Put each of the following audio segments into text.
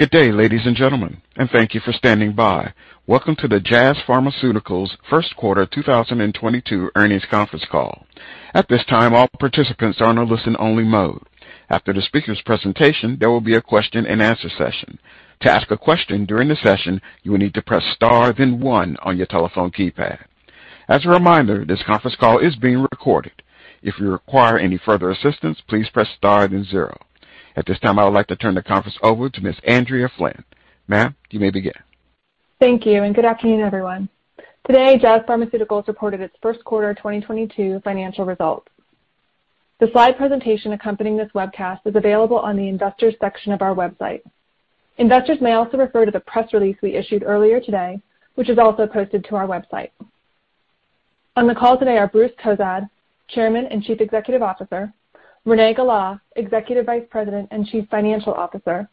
Good day, ladies and gentlemen, and thank you for standing by. Welcome to the Jazz Pharmaceuticals First Quarter 2022 earnings conference call. At this time, all participants are in a listen-only mode. After the speaker's presentation, there will be a question-and-answer session. To ask a question during the session, you will need to press star then one on your telephone keypad. As a reminder, this conference call is being recorded. If you require any further assistance, please press star then zero. At this time, I would like to turn the conference over to Ms. Andrea Flynn. Ma'am, you may begin. Thank you, and good afternoon, everyone. Today, Jazz Pharmaceuticals reported its first quarter 2022 financial results. The slide presentation accompanying this webcast is available on the investors' section of our website. Investors may also refer to the press release we issued earlier today, which is also posted to our website. On the call today are Bruce Cozadd, Chairman and Chief Executive Officer, Renee Gala, Executive Vice President and Chief Financial Officer,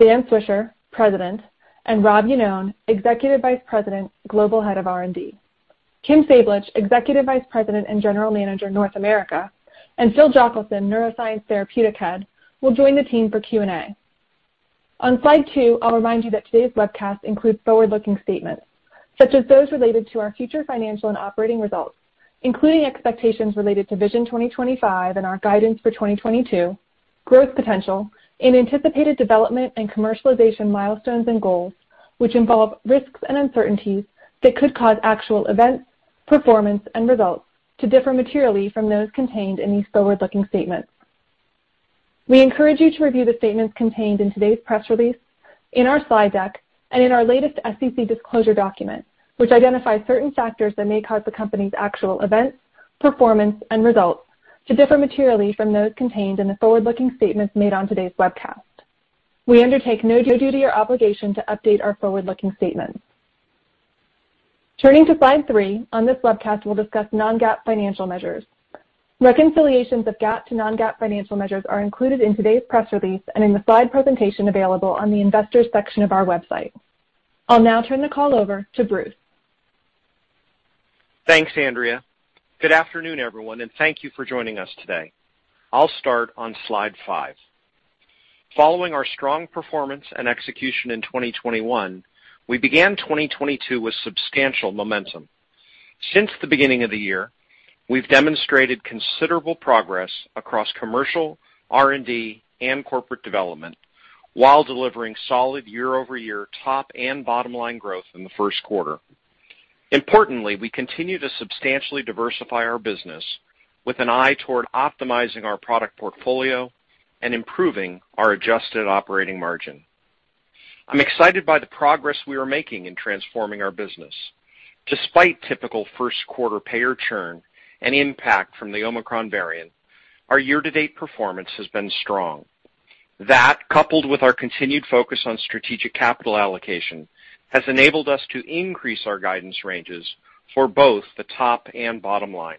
Dan Swisher, President, and Rob Iannone, Executive Vice President, Global Head of R&D, Kim Sablich, Executive Vice President and General Manager, North America, and Phil Jochelson, Neuroscience Therapeutic Head, will join the team for Q&A. On slide two, I'll remind you that today's webcast includes forward-looking statements such as those related to our future financial and operating results, including expectations related to Vision 2025 and our guidance for 2022, growth potential, and anticipated development and commercialization milestones and goals, which involve risks and uncertainties that could cause actual events, performance, and results to differ materially from those contained in these forward-looking statements. We encourage you to review the statements contained in today's press release, in our slide deck, and in our latest SEC disclosure document, which identifies certain factors that may cause the company's actual events, performance, and results to differ materially from those contained in the forward-looking statements made on today's webcast. We undertake no duty or obligation to update our forward-looking statements. Turning to slide three, on this webcast, we'll discuss non-GAAP financial measures. Reconciliations of GAAP to non-GAAP financial measures are included in today's press release and in the slide presentation available on the investors' section of our website. I'll now turn the call over to Bruce. Thanks, Andrea. Good afternoon, everyone, and thank you for joining us today. I'll start on slide five. Following our strong performance and execution in 2021, we began 2022 with substantial momentum. Since the beginning of the year, we've demonstrated considerable progress across commercial, R&D, and corporate development while delivering solid year-over-year top and bottom-line growth in the first quarter. Importantly, we continue to substantially diversify our business with an eye toward optimizing our product portfolio and improving our adjusted operating margin. I'm excited by the progress we are making in transforming our business. Despite typical first-quarter payer churn and impact from the Omicron variant, our year-to-date performance has been strong. That, coupled with our continued focus on strategic capital allocation, has enabled us to increase our guidance ranges for both the top and bottom line.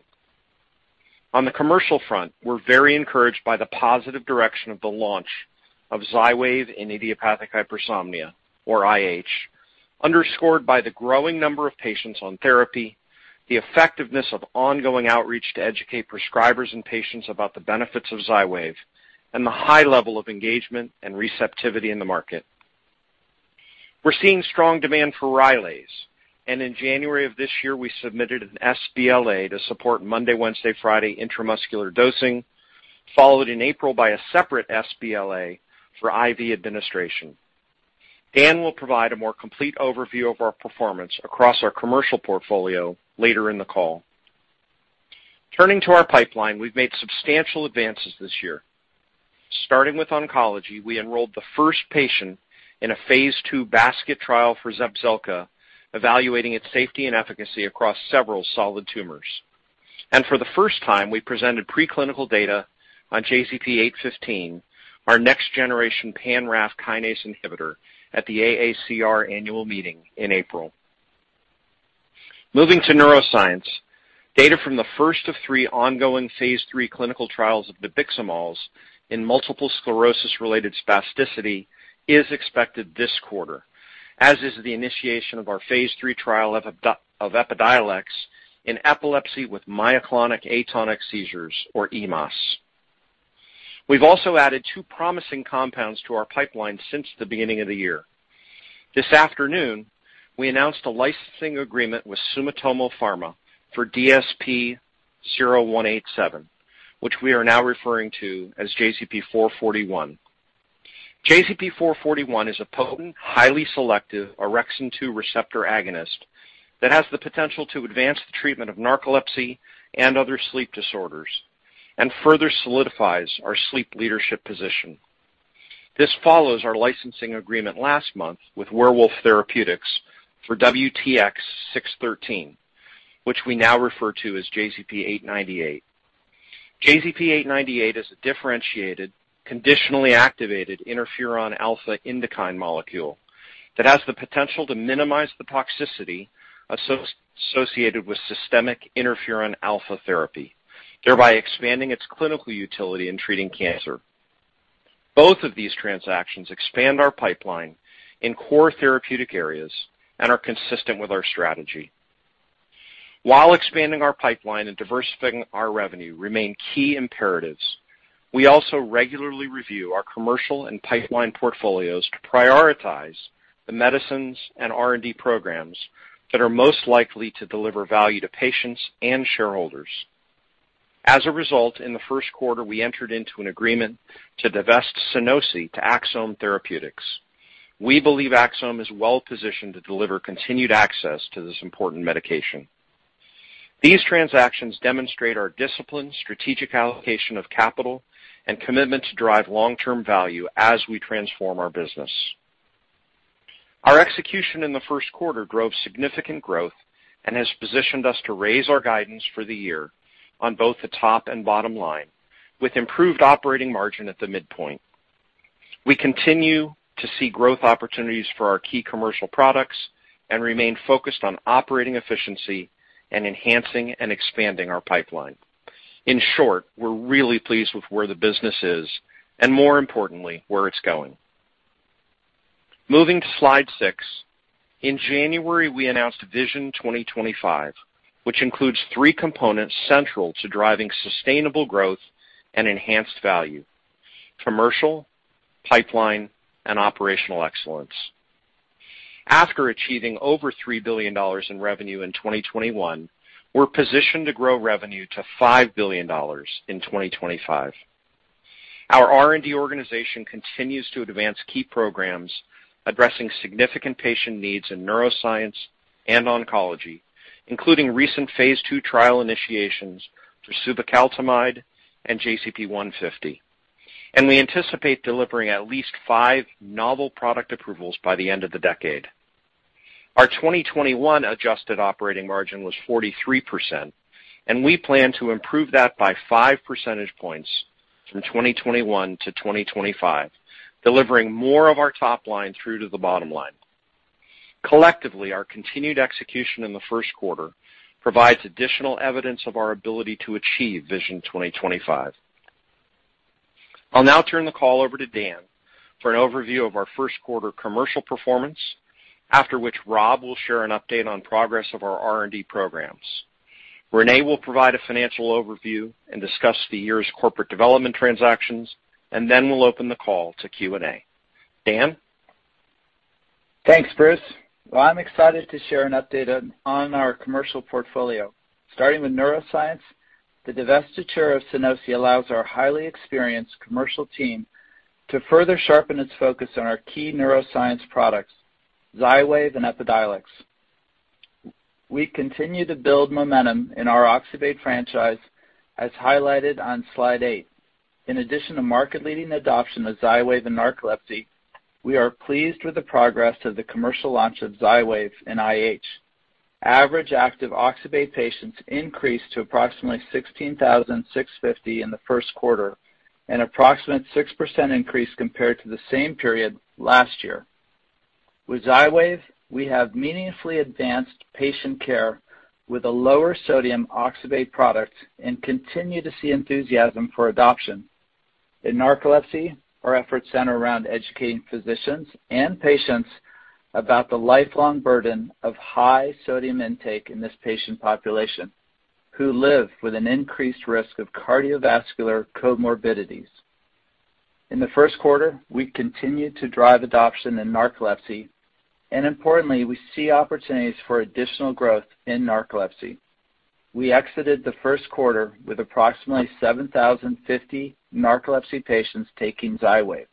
On the commercial front, we're very encouraged by the positive direction of the launch of Xywav and idiopathic hypersomnia, or IH, underscored by the growing number of patients on therapy, the effectiveness of ongoing outreach to educate prescribers and patients about the benefits of Xywav, and the high level of engagement and receptivity in the market. We're seeing strong demand for Rylaze, and in January of this year, we submitted an sBLA to support Monday, Wednesday, Friday intramuscular dosing, followed in April by a separate sBLA for IV administration. Dan will provide a more complete overview of our performance across our commercial portfolio later in the call. Turning to our pipeline, we've made substantial advances this year. Starting with oncology, we enrolled the first patient in a phase II basket trial for Zepzelca, evaluating its safety and efficacy across several solid tumors. And for the first time, we presented preclinical data on JZP815, our next-generation pan-RAF kinase inhibitor, at the AACR annual meeting in April. Moving to neuroscience, data from the first of three ongoing phase III clinical trials of nabiximols in multiple sclerosis-related spasticity is expected this quarter, as is the initiation of our phase III trial of Epidiolex in epilepsy with myoclonic-atonic seizures, or EMAS. We've also added two promising compounds to our pipeline since the beginning of the year. This afternoon, we announced a licensing agreement with Sumitomo Pharma for DSP-0187, which we are now referring to as JZP441. JZP441 is a potent, highly selective orexin-2 receptor agonist that has the potential to advance the treatment of narcolepsy and other sleep disorders and further solidifies our sleep leadership position. This follows our licensing agreement last month with Werewolf Therapeutics for WTX-613, which we now refer to as JZP898. JZP898 is a differentiated, conditionally activated interferon alpha cytokine molecule that has the potential to minimize the toxicity associated with systemic interferon alpha therapy, thereby expanding its clinical utility in treating cancer. Both of these transactions expand our pipeline in core therapeutic areas and are consistent with our strategy. While expanding our pipeline and diversifying our revenue remain key imperatives, we also regularly review our commercial and pipeline portfolios to prioritize the medicines and R&D programs that are most likely to deliver value to patients and shareholders. As a result, in the first quarter, we entered into an agreement to divest Sunosi to Axsome Therapeutics. We believe Axsome is well positioned to deliver continued access to this important medication. These transactions demonstrate our discipline, strategic allocation of capital, and commitment to drive long-term value as we transform our business. Our execution in the first quarter drove significant growth and has positioned us to raise our guidance for the year on both the top and bottom line, with improved operating margin at the midpoint. We continue to see growth opportunities for our key commercial products and remain focused on operating efficiency and enhancing and expanding our pipeline. In short, we're really pleased with where the business is and, more importantly, where it's going. Moving to slide six, in January, we announced Vision 2025, which includes three components central to driving sustainable growth and enhanced value: commercial, pipeline, and operational excellence. After achieving over $3 billion in revenue in 2021, we're positioned to grow revenue to $5 billion in 2025. Our R&D organization continues to advance key programs addressing significant patient needs in neuroscience and oncology, including recent phase II trial initiations for suvecaltamide and JZP150. We anticipate delivering at least five novel product approvals by the end of the decade. Our 2021 adjusted operating margin was 43%, and we plan to improve that by five percentage points from 2021 to 2025, delivering more of our top line through to the bottom line. Collectively, our continued execution in the first quarter provides additional evidence of our ability to achieve Vision 2025. I'll now turn the call over to Dan for an overview of our first quarter commercial performance, after which Rob will share an update on progress of our R&D programs. Renee will provide a financial overview and discuss the year's corporate development transactions, and then we'll open the call to Q&A. Dan? Thanks, Bruce. I'm excited to share an update on our commercial portfolio. Starting with neuroscience, the divestiture of Sunosi allows our highly experienced commercial team to further sharpen its focus on our key neuroscience products, Xywav and Epidiolex. We continue to build momentum in our oxybate franchise, as highlighted on slide eight. In addition to market-leading adoption of Xywav in narcolepsy, we are pleased with the progress of the commercial launch of Xywav in IH. Average active oxybate patients increased to approximately 16,650 in the first quarter, an approximate 6% increase compared to the same period last year. With Xywav, we have meaningfully advanced patient care with a lower-sodium oxybate product and continue to see enthusiasm for adoption. In narcolepsy, our efforts center around educating physicians and patients about the lifelong burden of high-sodium intake in this patient population, who live with an increased risk of cardiovascular comorbidities. In the first quarter, we continue to drive adoption in narcolepsy, and importantly, we see opportunities for additional growth in narcolepsy. We exited the first quarter with approximately 7,050 narcolepsy patients taking Xywav.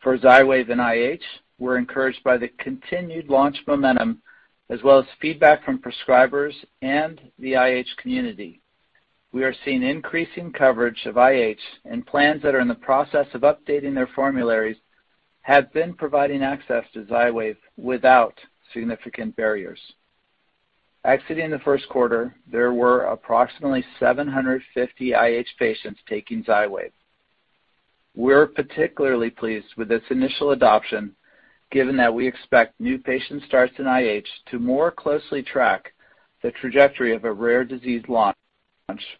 For Xywav and IH, we're encouraged by the continued launch momentum, as well as feedback from prescribers and the IH community. We are seeing increasing coverage of IH, and plans that are in the process of updating their formularies have been providing access to Xywav without significant barriers. Exiting the first quarter, there were approximately 750 IH patients taking Xywav. We're particularly pleased with this initial adoption, given that we expect new patient starts in IH to more closely track the trajectory of a rare disease launch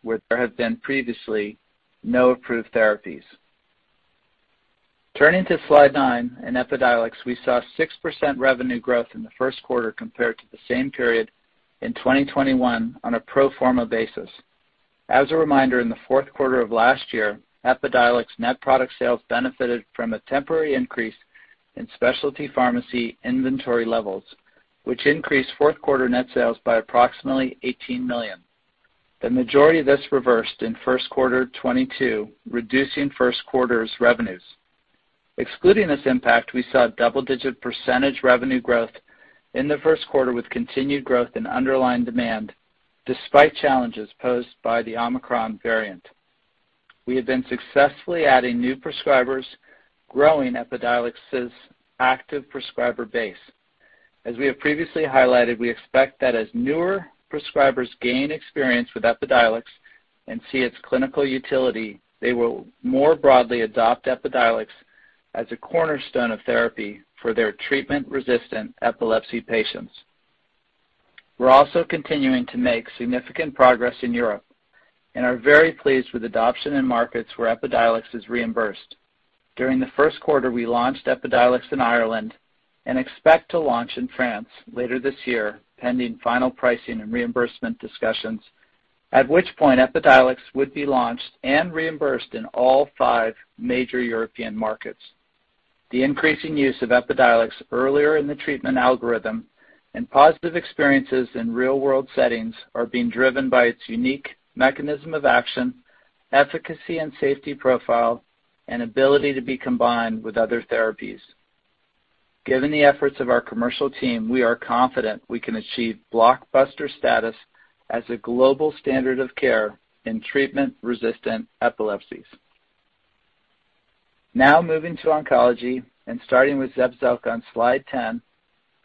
where there have been previously no approved therapies. Turning to slide nine and Epidiolex, we saw 6% revenue growth in the first quarter compared to the same period in 2021 on a pro forma basis. As a reminder, in the fourth quarter of last year, Epidiolex net product sales benefited from a temporary increase in specialty pharmacy inventory levels, which increased fourth quarter net sales by approximately $18 million. The majority of this reversed in first quarter 2022, reducing first quarter's revenues. Excluding this impact, we saw double-digit percentage revenue growth in the first quarter with continued growth in underlying demand, despite challenges posed by the Omicron variant. We have been successfully adding new prescribers, growing Epidiolex's active prescriber base. As we have previously highlighted, we expect that as newer prescribers gain experience with Epidiolex and see its clinical utility, they will more broadly adopt Epidiolex as a cornerstone of therapy for their treatment-resistant epilepsy patients. We're also continuing to make significant progress in Europe and are very pleased with adoption in markets where Epidiolex is reimbursed. During the first quarter, we launched Epidiolex in Ireland and expect to launch in France later this year, pending final pricing and reimbursement discussions, at which point Epidiolex would be launched and reimbursed in all five major European markets. The increasing use of Epidiolex earlier in the treatment algorithm and positive experiences in real-world settings are being driven by its unique mechanism of action, efficacy and safety profile, and ability to be combined with other therapies. Given the efforts of our commercial team, we are confident we can achieve blockbuster status as a global standard of care in treatment-resistant epilepsies. Now moving to oncology and starting with Zepzelca on slide 10,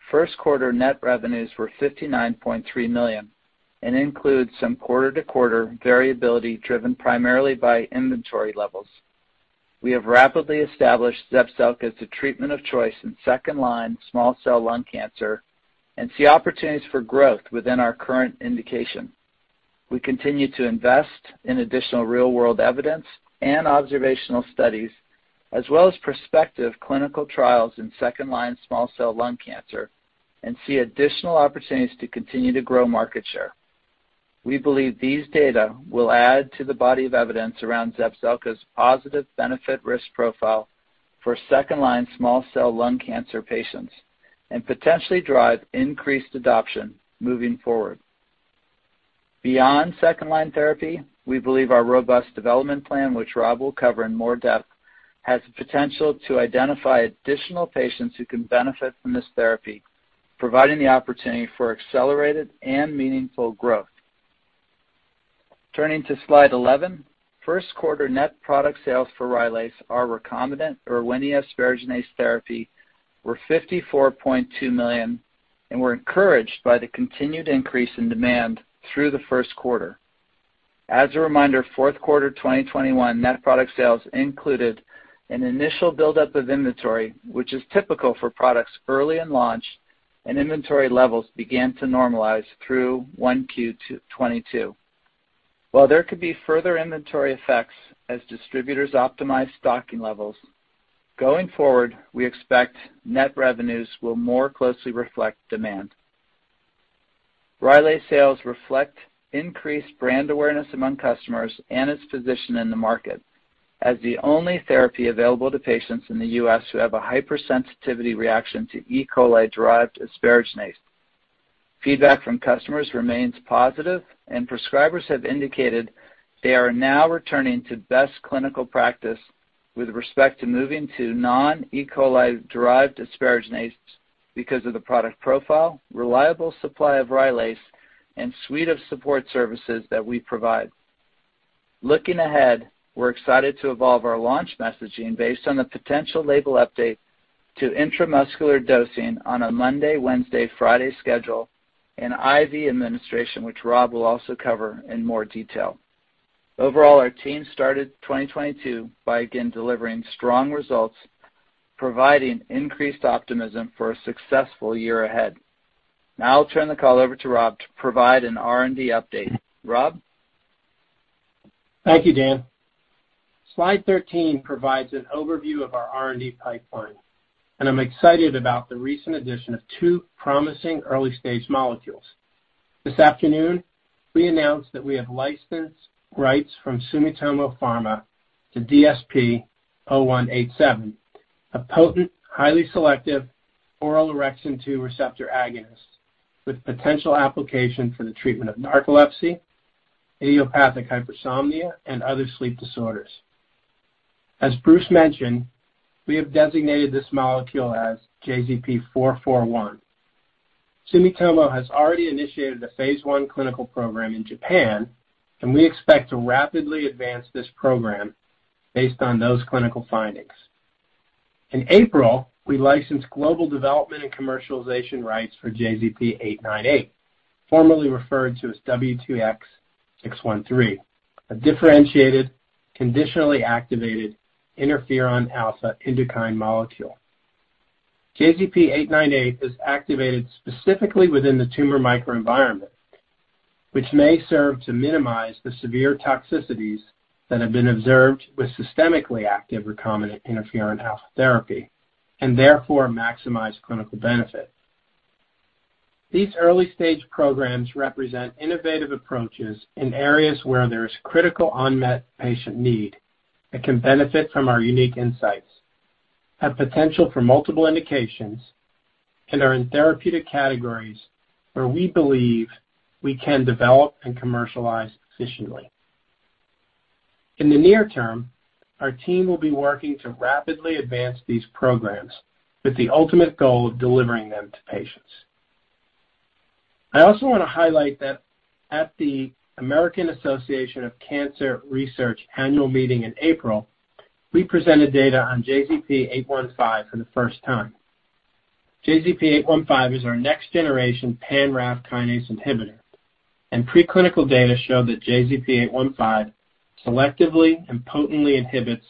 first quarter net revenues were $59.3 million and include some quarter-to-quarter variability driven primarily by inventory levels. We have rapidly established Zepzelca as the treatment of choice in second-line small cell lung cancer and see opportunities for growth within our current indication. We continue to invest in additional real-world evidence and observational studies, as well as prospective clinical trials in second-line small cell lung cancer, and see additional opportunities to continue to grow market share. We believe these data will add to the body of evidence around Zepzelca's positive benefit-risk profile for second-line small cell lung cancer patients and potentially drive increased adoption moving forward. Beyond second-line therapy, we believe our robust development plan, which Rob will cover in more depth, has the potential to identify additional patients who can benefit from this therapy, providing the opportunity for accelerated and meaningful growth. Turning to slide 11, first quarter net product sales for Rylaze, recombinant Erwinia asparaginase therapy, were $54.2 million and were encouraged by the continued increase in demand through the first quarter. As a reminder, fourth quarter 2021 net product sales included an initial buildup of inventory, which is typical for products early in launch, and inventory levels began to normalize through 1Q 2022. While there could be further inventory effects as distributors optimize stocking levels, going forward, we expect net revenues will more closely reflect demand. Rylaze's sales reflect increased brand awareness among customers and its position in the market as the only therapy available to patients in the U.S. who have a hypersensitivity reaction to E. coli-derived asparaginase. Feedback from customers remains positive, and prescribers have indicated they are now returning to best clinical practice with respect to moving to non-E. Coli-derived asparaginase because of the product profile, reliable supply of Rylaze, and suite of support services that we provide. Looking ahead, we're excited to evolve our launch messaging based on the potential label update to intramuscular dosing on a Monday, Wednesday, Friday schedule and IV administration, which Rob will also cover in more detail. Overall, our team started 2022 by again delivering strong results, providing increased optimism for a successful year ahead. Now I'll turn the call over to Rob to provide an R&D update. Rob? Thank you, Dan. Slide 13 provides an overview of our R&D pipeline, and I'm excited about the recent addition of two promising early-stage molecules. This afternoon, we announced that we have licensed rights from Sumitomo Pharma to DSP-0187, a potent, highly selective oral orexin-2 receptor agonist with potential application for the treatment of narcolepsy, idiopathic hypersomnia, and other sleep disorders. As Bruce mentioned, we have designated this molecule as JZP441. Sumitomo has already initiated a phase I clinical program in Japan, and we expect to rapidly advance this program based on those clinical findings. In April, we licensed global development and commercialization rights for JZP898, formerly referred to as WTX-613, a differentiated, conditionally activated interferon alpha cytokine molecule. JZP898 is activated specifically within the tumor microenvironment, which may serve to minimize the severe toxicities that have been observed with systemically active recombinant interferon alpha therapy and therefore maximize clinical benefit. These early-stage programs represent innovative approaches in areas where there is critical unmet patient need that can benefit from our unique insights, have potential for multiple indications, and are in therapeutic categories where we believe we can develop and commercialize efficiently. In the near term, our team will be working to rapidly advance these programs with the ultimate goal of delivering them to patients. I also want to highlight that at the American Association of Cancer Research annual meeting in April, we presented data on JZP815 for the first time. JZP815 is our next-generation pan-RAF kinase inhibitor, and preclinical data show that JZP815 selectively and potently inhibits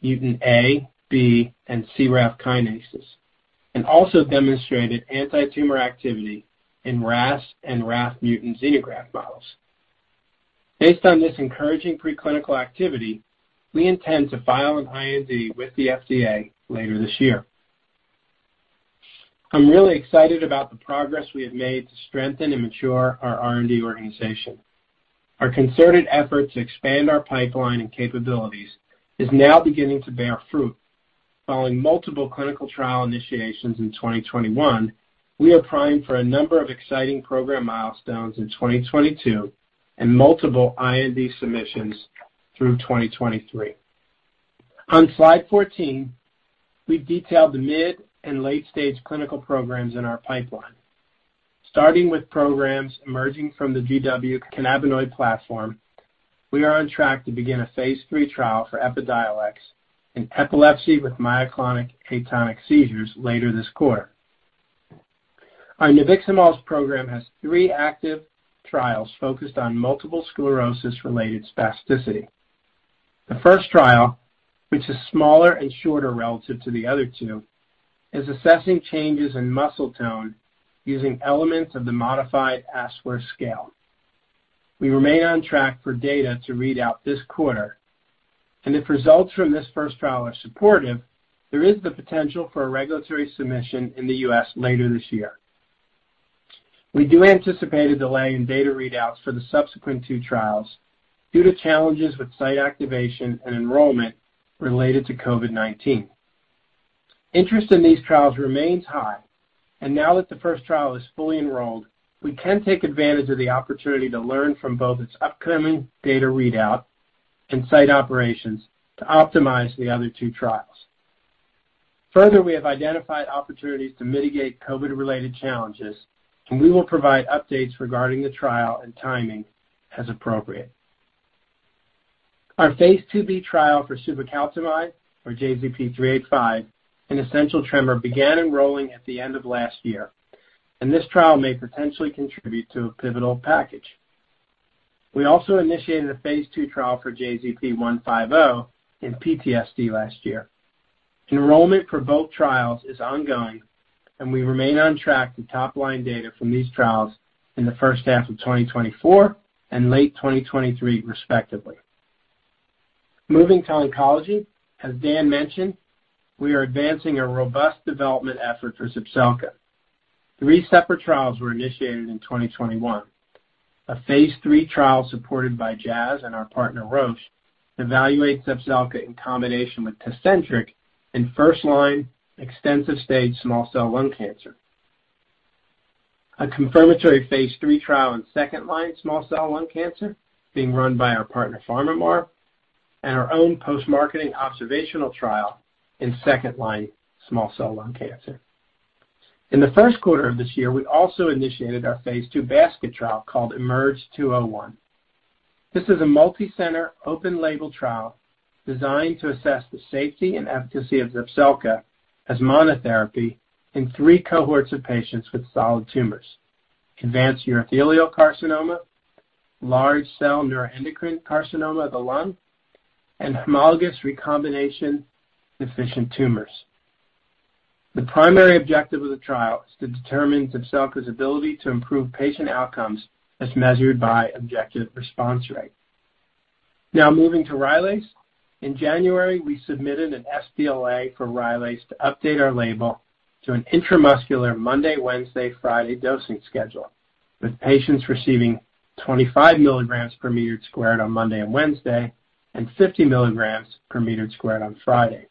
mutant A, B, and C-RAF kinases and also demonstrated anti-tumor activity in RAS and RAF mutant xenograft models. Based on this encouraging preclinical activity, we intend to file an IND with the FDA later this year. I'm really excited about the progress we have made to strengthen and mature our R&D organization. Our concerted effort to expand our pipeline and capabilities is now beginning to bear fruit. Following multiple clinical trial initiations in 2021, we are primed for a number of exciting program milestones in 2022 and multiple IND submissions through 2023. On slide 14, we detailed the mid and late-stage clinical programs in our pipeline. Starting with programs emerging from the GW cannabinoid platform, we are on track to begin a phase III trial for Epidiolex in epilepsy with myoclonic atonic seizures later this quarter. Our nabiximols program has three active trials focused on multiple sclerosis-related spasticity. The first trial, which is smaller and shorter relative to the other two, is assessing changes in muscle tone using elements of the modified Ashworth Scale. We remain on track for data to read out this quarter, and if results from this first trial are supportive, there is the potential for a regulatory submission in the U.S. later this year. We do anticipate a delay in data readouts for the subsequent two trials due to challenges with site activation and enrollment related to COVID-19. Interest in these trials remains high, and now that the first trial is fully enrolled, we can take advantage of the opportunity to learn from both its upcoming data readout and site operations to optimize the other two trials. Further, we have identified opportunities to mitigate COVID-related challenges, and we will provide updates regarding the trial and timing as appropriate. phase II-B trial for suvecaltamide, or JZP385, in essential tremor, began enrolling at the end of last year, and this trial may potentially contribute to a pivotal package. We also initiated a phase II trial for JZP150 in PTSD last year. Enrollment for both trials is ongoing, and we remain on track to top-line data from these trials in the first half of 2024 and late 2023, respectively. Moving to oncology, as Dan mentioned, we are advancing a robust development effort for Zepzelca. Three separate trials were initiated in 2021. A phase III trial supported by Jazz and our partner Roche evaluates Zepzelca in combination with Tecentriq in first-line extensive-stage small cell lung cancer. A confirmatory phase III trial in second-line small cell lung cancer being run by our partner PharmaMar and our own post-marketing observational trial in second-line small cell lung cancer. In the first quarter of this year, we also initiated our phase II basket trial called EMERGE-201. This is a multi-center open-label trial designed to assess the safety and efficacy of Zepzelca as monotherapy in three cohorts of patients with solid tumors: advanced urothelial carcinoma, large cell neuroendocrine carcinoma of the lung, and homologous recombination deficient tumors. The primary objective of the trial is to determine Zepzelca's ability to improve patient outcomes as measured by objective response rate. Now moving to Rylaze, in January, we submitted an sBLA for Rylaze to update our label to an intramuscular Monday, Wednesday, Friday dosing schedule with patients receiving 25 mg per meter squared on Monday and Wednesday and 50 mg per meter squared on Friday.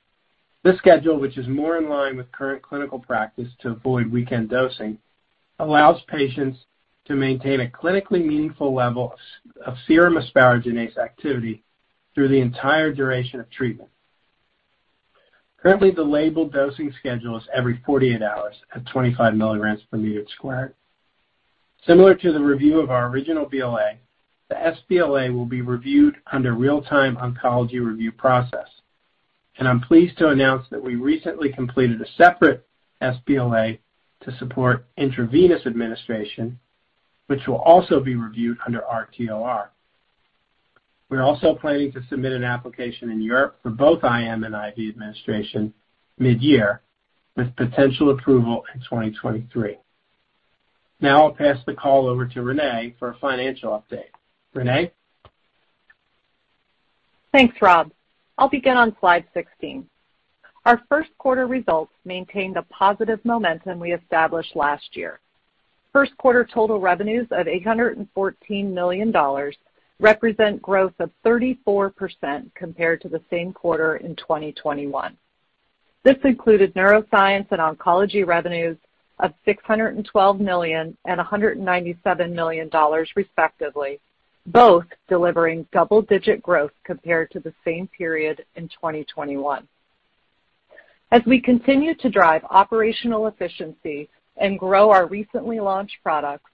This schedule, which is more in line with current clinical practice to avoid weekend dosing, allows patients to maintain a clinically meaningful level of serum asparaginase activity through the entire duration of treatment. Currently, the label dosing schedule is every 48 hours at 25 mg per meter squared. Similar to the review of our original BLA, the sBLA will be reviewed under real-time oncology review process, and I'm pleased to announce that we recently completed a separate sBLA to support intravenous administration, which will also be reviewed under RTOR. We're also planning to submit an application in Europe for both IM and IV administration mid-year with potential approval in 2023. Now I'll pass the call over to Renee for a financial update. Renee? Thanks, Rob. I'll begin on slide 16. Our first quarter results maintain the positive momentum we established last year. First quarter total revenues of $814 million represent growth of 34% compared to the same quarter in 2021. This included neuroscience and oncology revenues of $612 million and $197 million, respectively, both delivering double-digit growth compared to the same period in 2021. As we continue to drive operational efficiency and grow our recently launched products,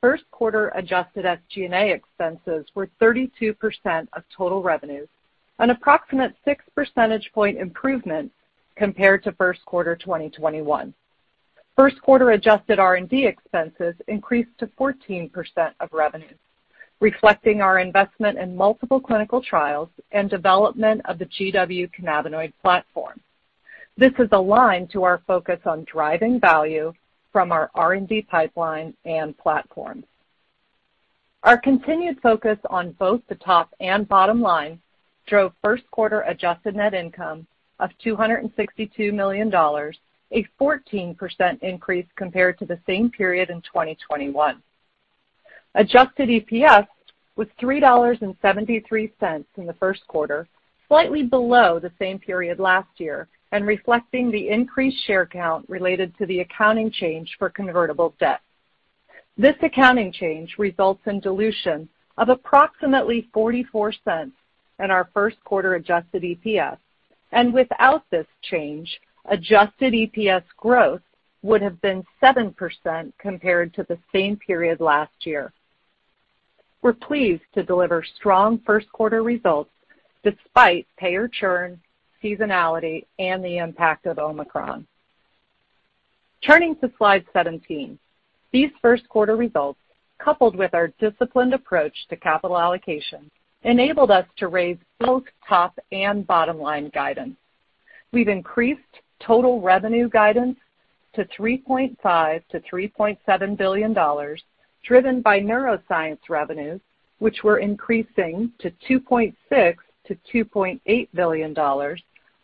first quarter adjusted SG&A expenses were 32% of total revenues, an approximate 6 percentage point improvement compared to first quarter 2021. First quarter adjusted R&D expenses increased to 14% of revenue, reflecting our investment in multiple clinical trials and development of the GW cannabinoid platform. This is aligned to our focus on driving value from our R&D pipeline and platforms. Our continued focus on both the top and bottom line drove first quarter adjusted net income of $262 million, a 14% increase compared to the same period in 2021. Adjusted EPS was $3.73 in the first quarter, slightly below the same period last year and reflecting the increased share count related to the accounting change for convertible debt. This accounting change results in dilution of approximately $0.44 in our first quarter adjusted EPS, and without this change, adjusted EPS growth would have been 7% compared to the same period last year. We're pleased to deliver strong first quarter results despite payor churn, seasonality, and the impact of Omicron. Turning to slide 17, these first quarter results, coupled with our disciplined approach to capital allocation, enabled us to raise both top and bottom line guidance. We've increased total revenue guidance to $3.5 billion-$3.7 billion, driven by neuroscience revenues, which were increasing to $2.6 billion-$2.8 billion,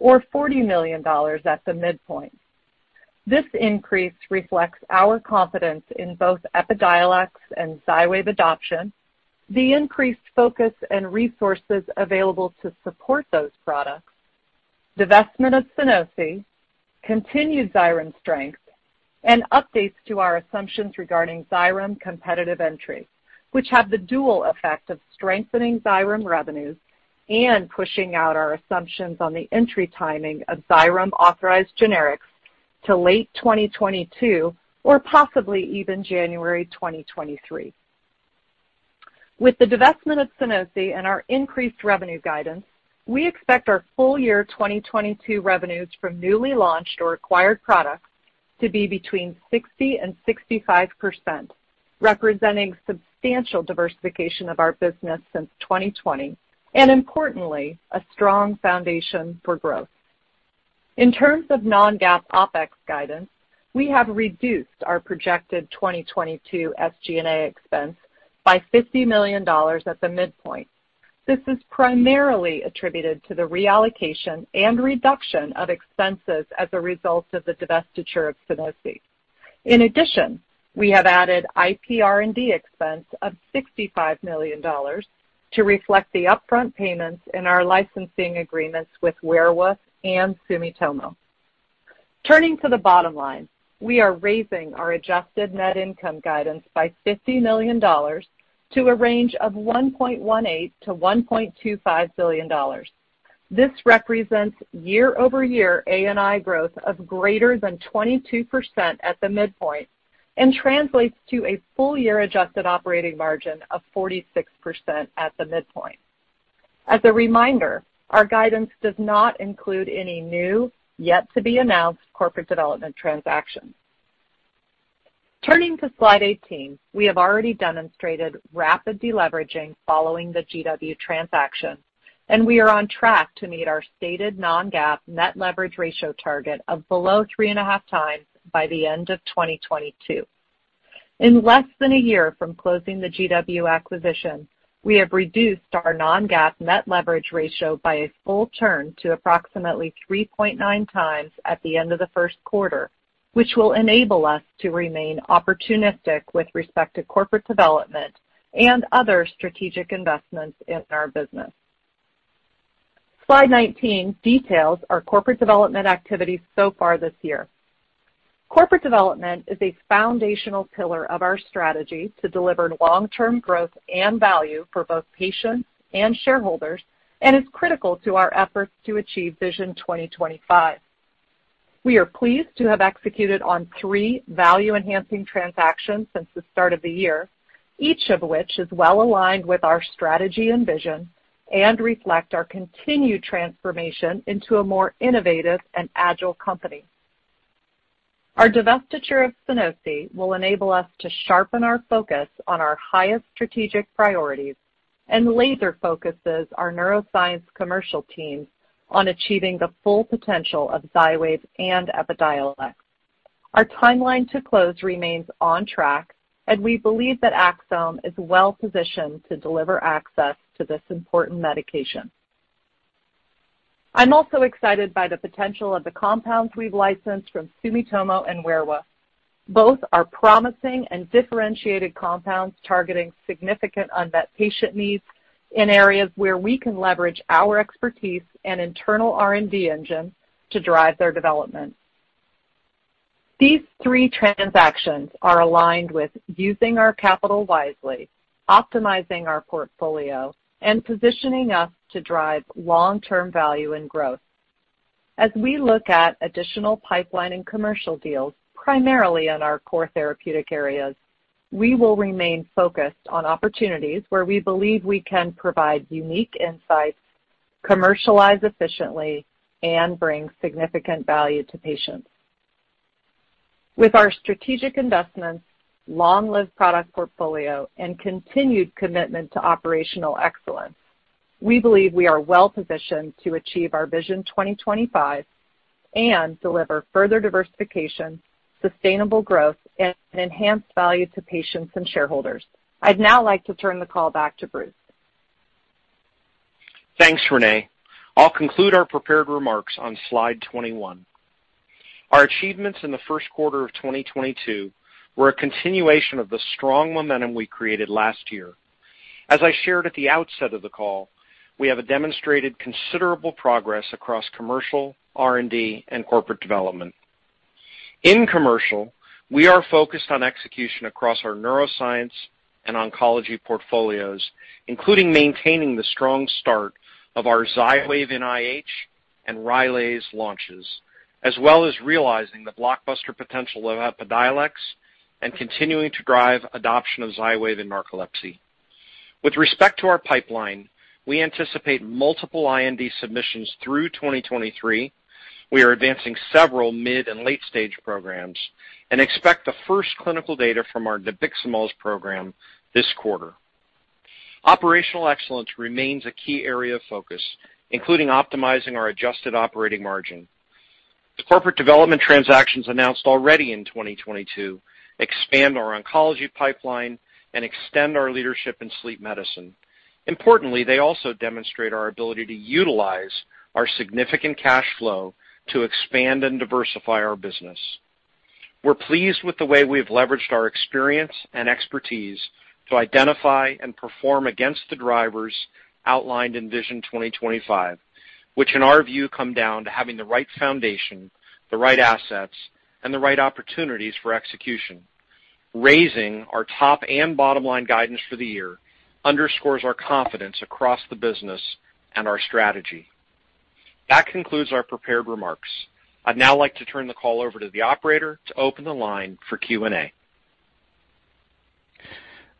or $40 million at the midpoint. This increase reflects our confidence in both Epidiolex and Xywav adoption, the increased focus and resources available to support those products, divestment of Sunosi, continued Xyrem strength, and updates to our assumptions regarding Xyrem competitive entry, which have the dual effect of strengthening Xyrem revenues and pushing out our assumptions on the entry timing of Xyrem authorized generics to late 2022 or possibly even January 2023. With the divestment of Sunosi and our increased revenue guidance, we expect our full year 2022 revenues from newly launched or acquired products to be between 60%-65%, representing substantial diversification of our business since 2020 and, importantly, a strong foundation for growth. In terms of non-GAAP OpEx guidance, we have reduced our projected 2022 SG&A expense by $50 million at the midpoint. This is primarily attributed to the reallocation and reduction of expenses as a result of the divestiture of Sunosi. In addition, we have added IP R&D expense of $65 million to reflect the upfront payments in our licensing agreements with Werewolf and Sumitomo. Turning to the bottom line, we are raising our adjusted net income guidance by $50 million to a range of $1.18 billion-$1.25 billion. This represents year-over-year ANI growth of greater than 22% at the midpoint and translates to a full year adjusted operating margin of 46% at the midpoint. As a reminder, our guidance does not include any new, yet-to-be-announced corporate development transactions. Turning to slide 18, we have already demonstrated rapid deleveraging following the GW transaction, and we are on track to meet our stated non-GAAP net leverage ratio target of below three and a half times by the end of 2022. In less than a year from closing the GW acquisition, we have reduced our non-GAAP net leverage ratio by a full turn to approximately 3.9x at the end of the first quarter, which will enable us to remain opportunistic with respect to corporate development and other strategic investments in our business. Slide 19 details our corporate development activities so far this year. Corporate development is a foundational pillar of our strategy to deliver long-term growth and value for both patients and shareholders and is critical to our efforts to achieve Vision 2025. We are pleased to have executed on three value-enhancing transactions since the start of the year, each of which is well aligned with our strategy and vision and reflects our continued transformation into a more innovative and agile company. Our divestiture of Sunosi will enable us to sharpen our focus on our highest strategic priorities and laser-focus our neuroscience commercial teams on achieving the full potential of Xywav and Epidiolex. Our timeline to close remains on track, and we believe that Axsome is well positioned to deliver access to this important medication. I'm also excited by the potential of the compounds we've licensed from Sumitomo and Werewolf. Both are promising and differentiated compounds targeting significant unmet patient needs in areas where we can leverage our expertise and internal R&D engine to drive their development. These three transactions are aligned with using our capital wisely, optimizing our portfolio, and positioning us to drive long-term value and growth. As we look at additional pipeline and commercial deals primarily in our core therapeutic areas, we will remain focused on opportunities where we believe we can provide unique insights, commercialize efficiently, and bring significant value to patients. With our strategic investments, long-lived product portfolio, and continued commitment to operational excellence, we believe we are well positioned to achieve our Vision 2025 and deliver further diversification, sustainable growth, and enhanced value to patients and shareholders. I'd now like to turn the call back to Bruce. Thanks, Renee. I'll conclude our prepared remarks on slide 21. Our achievements in the first quarter of 2022 were a continuation of the strong momentum we created last year. As I shared at the outset of the call, we have demonstrated considerable progress across commercial, R&D, and corporate development. In commercial, we are focused on execution across our neuroscience and oncology portfolios, including maintaining the strong start of our Xywav IH and Rylaze launches, as well as realizing the blockbuster potential of Epidiolex and continuing to drive adoption of Xywav in narcolepsy. With respect to our pipeline, we anticipate multiple IND submissions through 2023. We are advancing several mid and late-stage programs and expect the first clinical data from our nabiximols program this quarter. Operational excellence remains a key area of focus, including optimizing our adjusted operating margin. Corporate development transactions announced already in 2022 expand our oncology pipeline and extend our leadership in sleep medicine. Importantly, they also demonstrate our ability to utilize our significant cash flow to expand and diversify our business. We're pleased with the way we've leveraged our experience and expertise to identify and perform against the drivers outlined in Vision 2025, which in our view come down to having the right foundation, the right assets, and the right opportunities for execution. Raising our top and bottom line guidance for the year underscores our confidence across the business and our strategy. That concludes our prepared remarks. I'd now like to turn the call over to the operator to open the line for Q&A.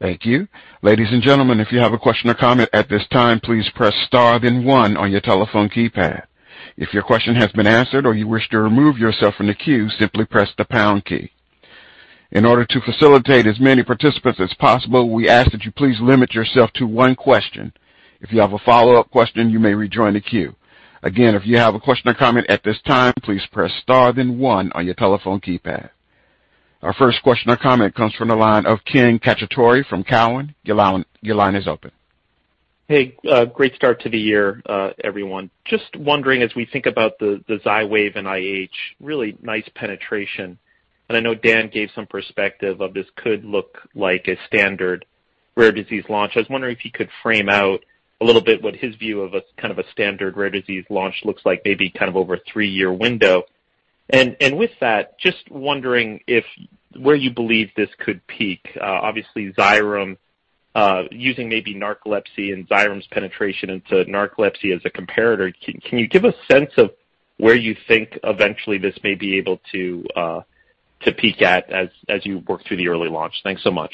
Thank you. Ladies and gentlemen, if you have a question or comment at this time, please press star, then one on your telephone keypad. If your question has been answered or you wish to remove yourself from the queue, simply press the pound key. In order to facilitate as many participants as possible, we ask that you please limit yourself to one question. If you have a follow-up question, you may rejoin the queue. Again, if you have a question or comment at this time, please press star, then one on your telephone keypad. Our first question or comment comes from the line of Ken Cacciatore from Cowen. Your line is open. Hey, great start to the year, everyone. Just wondering, as we think about the Xywav IH, really nice penetration. And I know Dan gave some perspective of this could look like a standard rare disease launch. I was wondering if you could frame out a little bit what his view of a kind of a standard rare disease launch looks like, maybe kind of over a three-year window. And with that, just wondering where you believe this could peak. Obviously, Xyrem, using maybe narcolepsy and Xyrem's penetration into narcolepsy as a comparator, can you give a sense of where you think eventually this may be able to peak at as you work through the early launch? Thanks so much.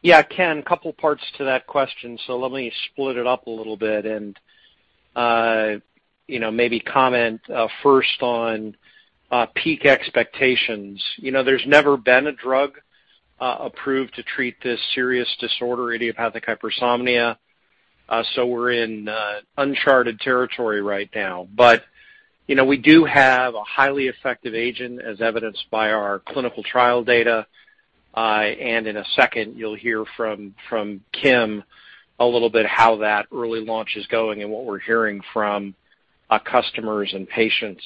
Yeah, Ken, a couple of parts to that question, so let me split it up a little bit and maybe comment first on peak expectations. There's never been a drug approved to treat this serious disorder, idiopathic hypersomnia, so we're in uncharted territory right now, but we do have a highly effective agent, as evidenced by our clinical trial data, and in a second, you'll hear from Kim a little bit how that early launch is going and what we're hearing from customers and patients,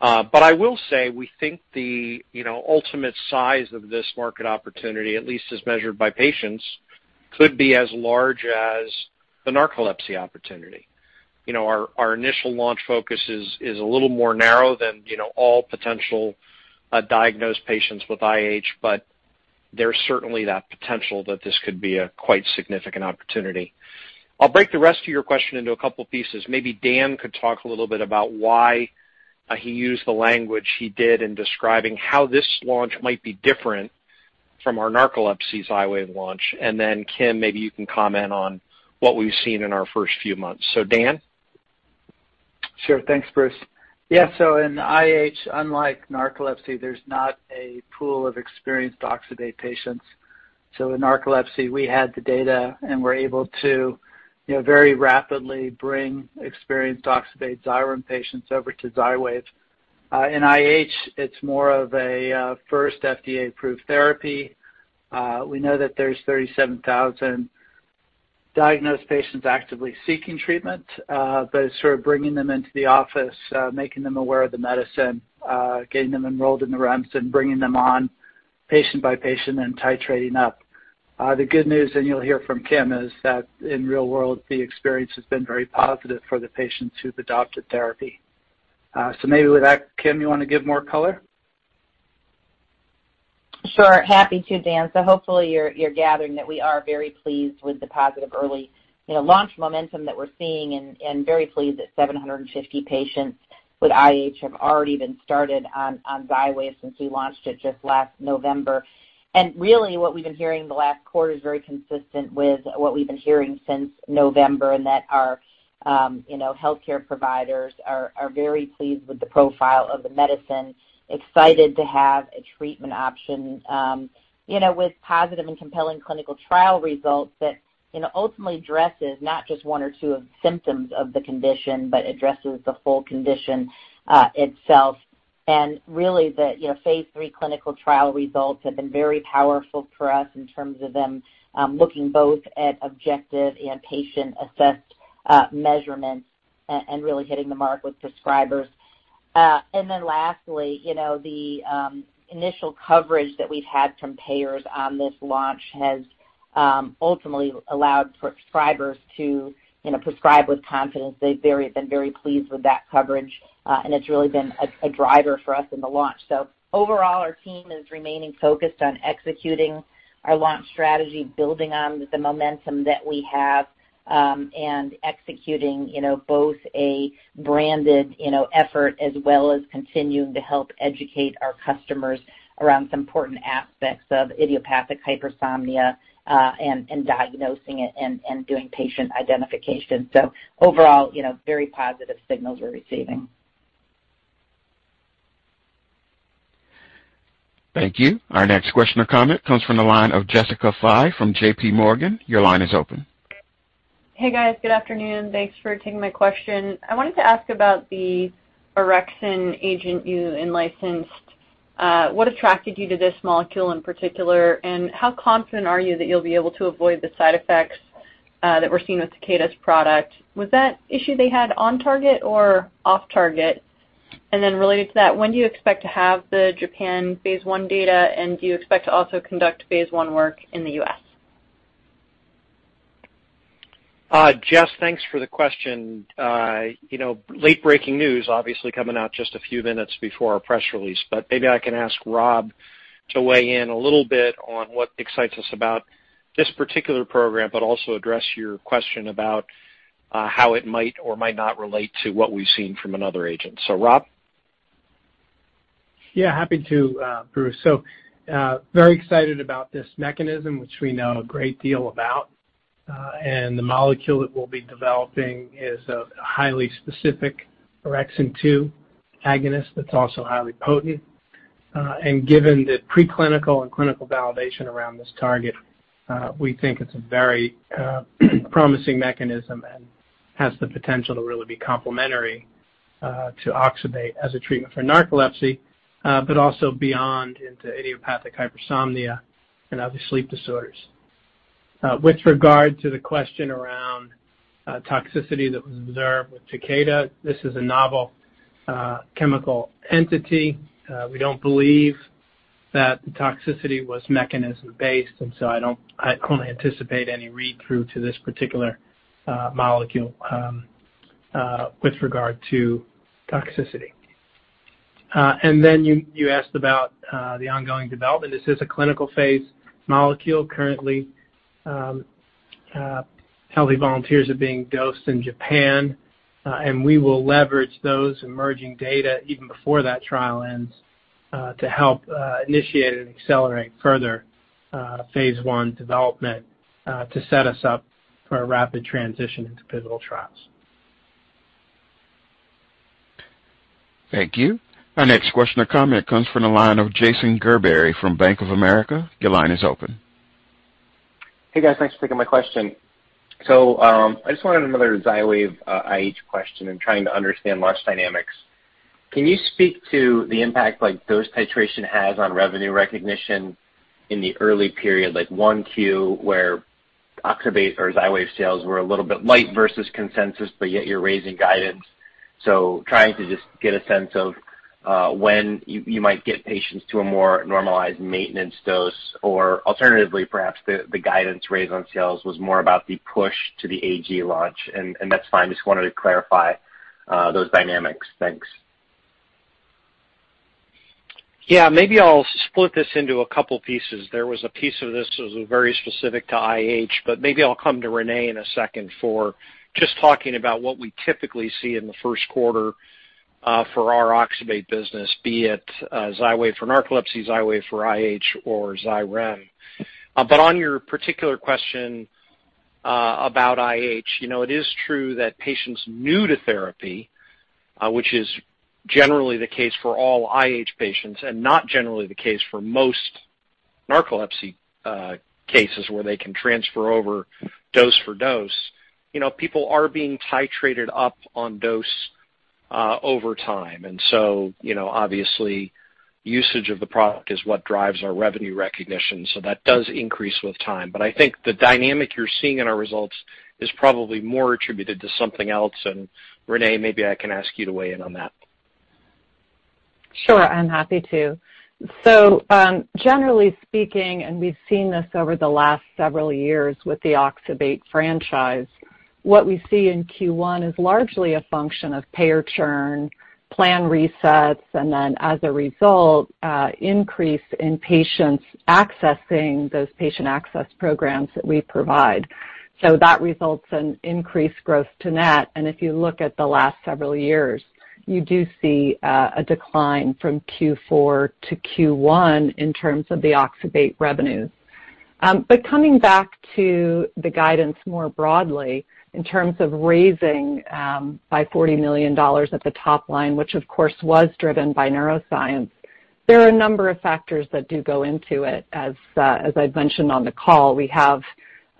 but I will say we think the ultimate size of this market opportunity, at least as measured by patients, could be as large as the narcolepsy opportunity. Our initial launch focus is a little more narrow than all potential diagnosed patients with IH, but there's certainly that potential that this could be a quite significant opportunity. I'll break the rest of your question into a couple of pieces. Maybe Dan could talk a little bit about why he used the language he did in describing how this launch might be different from our narcolepsy Xywav launch. And then, Kim, maybe you can comment on what we've seen in our first few months. So, Dan? Sure. Thanks, Bruce. Yeah, so in IH, unlike narcolepsy, there's not a pool of experienced oxybate patients. So in narcolepsy, we had the data and were able to very rapidly bring experienced oxybate Xyrem patients over to Xywav. In IH, it's more of a first FDA-approved therapy. We know that there's 37,000 diagnosed patients actively seeking treatment, but it's sort of bringing them into the office, making them aware of the medicine, getting them enrolled in the REMS, and bringing them on patient by patient and titrating up. The good news, and you'll hear from Kim, is that in real world, the experience has been very positive for the patients who've adopted therapy. So maybe with that, Kim, you want to give more color? Sure. Happy to, Dan. So hopefully you're gathering that we are very pleased with the positive early launch momentum that we're seeing and very pleased that 750 patients with IH have already been started on Xywav since we launched it just last November. And really, what we've been hearing the last quarter is very consistent with what we've been hearing since November, and that our healthcare providers are very pleased with the profile of the medicine, excited to have a treatment option with positive and compelling clinical trial results that ultimately addresses not just one or two of the symptoms of the condition, but addresses the full condition itself. And really, the phase III clinical trial results have been very powerful for us in terms of them looking both at objective and patient-assessed measurements and really hitting the mark with prescribers. And then lastly, the initial coverage that we've had from payers on this launch has ultimately allowed prescribers to prescribe with confidence. They've been very pleased with that coverage, and it's really been a driver for us in the launch. So overall, our team is remaining focused on executing our launch strategy, building on the momentum that we have, and executing both a branded effort as well as continuing to help educate our customers around some important aspects of idiopathic hypersomnia and diagnosing it and doing patient identification. So overall, very positive signals we're receiving. Thank you. Our next question or comment comes from the line of Jessica Fye from JPMorgan. Your line is open. Hey, guys. Good afternoon. Thanks for taking my question. I wanted to ask about the orexin agent you licensed. What attracted you to this molecule in particular, and how confident are you that you'll be able to avoid the side effects that we're seeing with Takeda's product? Was that issue they had on target or off target? And then related to that, when do you expect to have the Japan phase I data, and do you expect to also conduct phase I work in the U.S.? Jess, thanks for the question. Late-breaking news, obviously, coming out just a few minutes before our press release, but maybe I can ask Rob to weigh in a little bit on what excites us about this particular program, but also address your question about how it might or might not relate to what we've seen from another agent. So Rob? Yeah, happy to, Bruce. So very excited about this mechanism, which we know a great deal about. And the molecule that we'll be developing is a highly specific orexin-2 agonist that's also highly potent. And given the preclinical and clinical validation around this target, we think it's a very promising mechanism and has the potential to really be complementary to oxybate as a treatment for narcolepsy, but also beyond into idiopathic hypersomnia and other sleep disorders. With regard to the question around toxicity that was observed with Takeda, this is a novel chemical entity. We don't believe that the toxicity was mechanism-based, and so I don't anticipate any read-through to this particular molecule with regard to toxicity. And then you asked about the ongoing development. This is a clinical phase molecule. Currently, healthy volunteers are being dosed in Japan, and we will leverage those emerging data even before that trial ends to help initiate and accelerate further phase I development to set us up for a rapid transition into pivotal trials. Thank you. Our next question or comment comes from the line of Jason Gerbery from Bank of America. Your line is open. Hey, guys. Thanks for taking my question. So I just wanted another Xywav IH question. I'm trying to understand launch dynamics. Can you speak to the impact dose titration has on revenue recognition in the early period, like one Q where oxybate or Xywav sales were a little bit light versus consensus, but yet you're raising guidance? So trying to just get a sense of when you might get patients to a more normalized maintenance dose, or alternatively, perhaps the guidance raised on sales was more about the push to the AG launch. And that's fine. Just wanted to clarify those dynamics. Thanks. Yeah, maybe I'll split this into a couple of pieces. There was a piece of this that was very specific to IH, but maybe I'll come to Renee in a second for just talking about what we typically see in the first quarter for our oxybate business, be it Xywav for narcolepsy, Xywav for IH, or Xyrem. But on your particular question about IH, it is true that patients new to therapy, which is generally the case for all IH patients and not generally the case for most narcolepsy cases where they can transfer over dose for dose, people are being titrated up on dose over time. And so obviously, usage of the product is what drives our revenue recognition. So that does increase with time. But I think the dynamic you're seeing in our results is probably more attributed to something else. Renee, maybe I can ask you to weigh in on that. Sure. I'm happy to. So generally speaking, and we've seen this over the last several years with the oxybate franchise, what we see in Q1 is largely a function of payer churn, plan resets, and then as a result, increase in patients accessing those patient access programs that we provide. So that results in increased gross to net. And if you look at the last several years, you do see a decline from Q4 to Q1 in terms of the oxybate revenues. But coming back to the guidance more broadly, in terms of raising by $40 million at the top line, which of course was driven by neuroscience, there are a number of factors that do go into it. As I've mentioned on the call, we have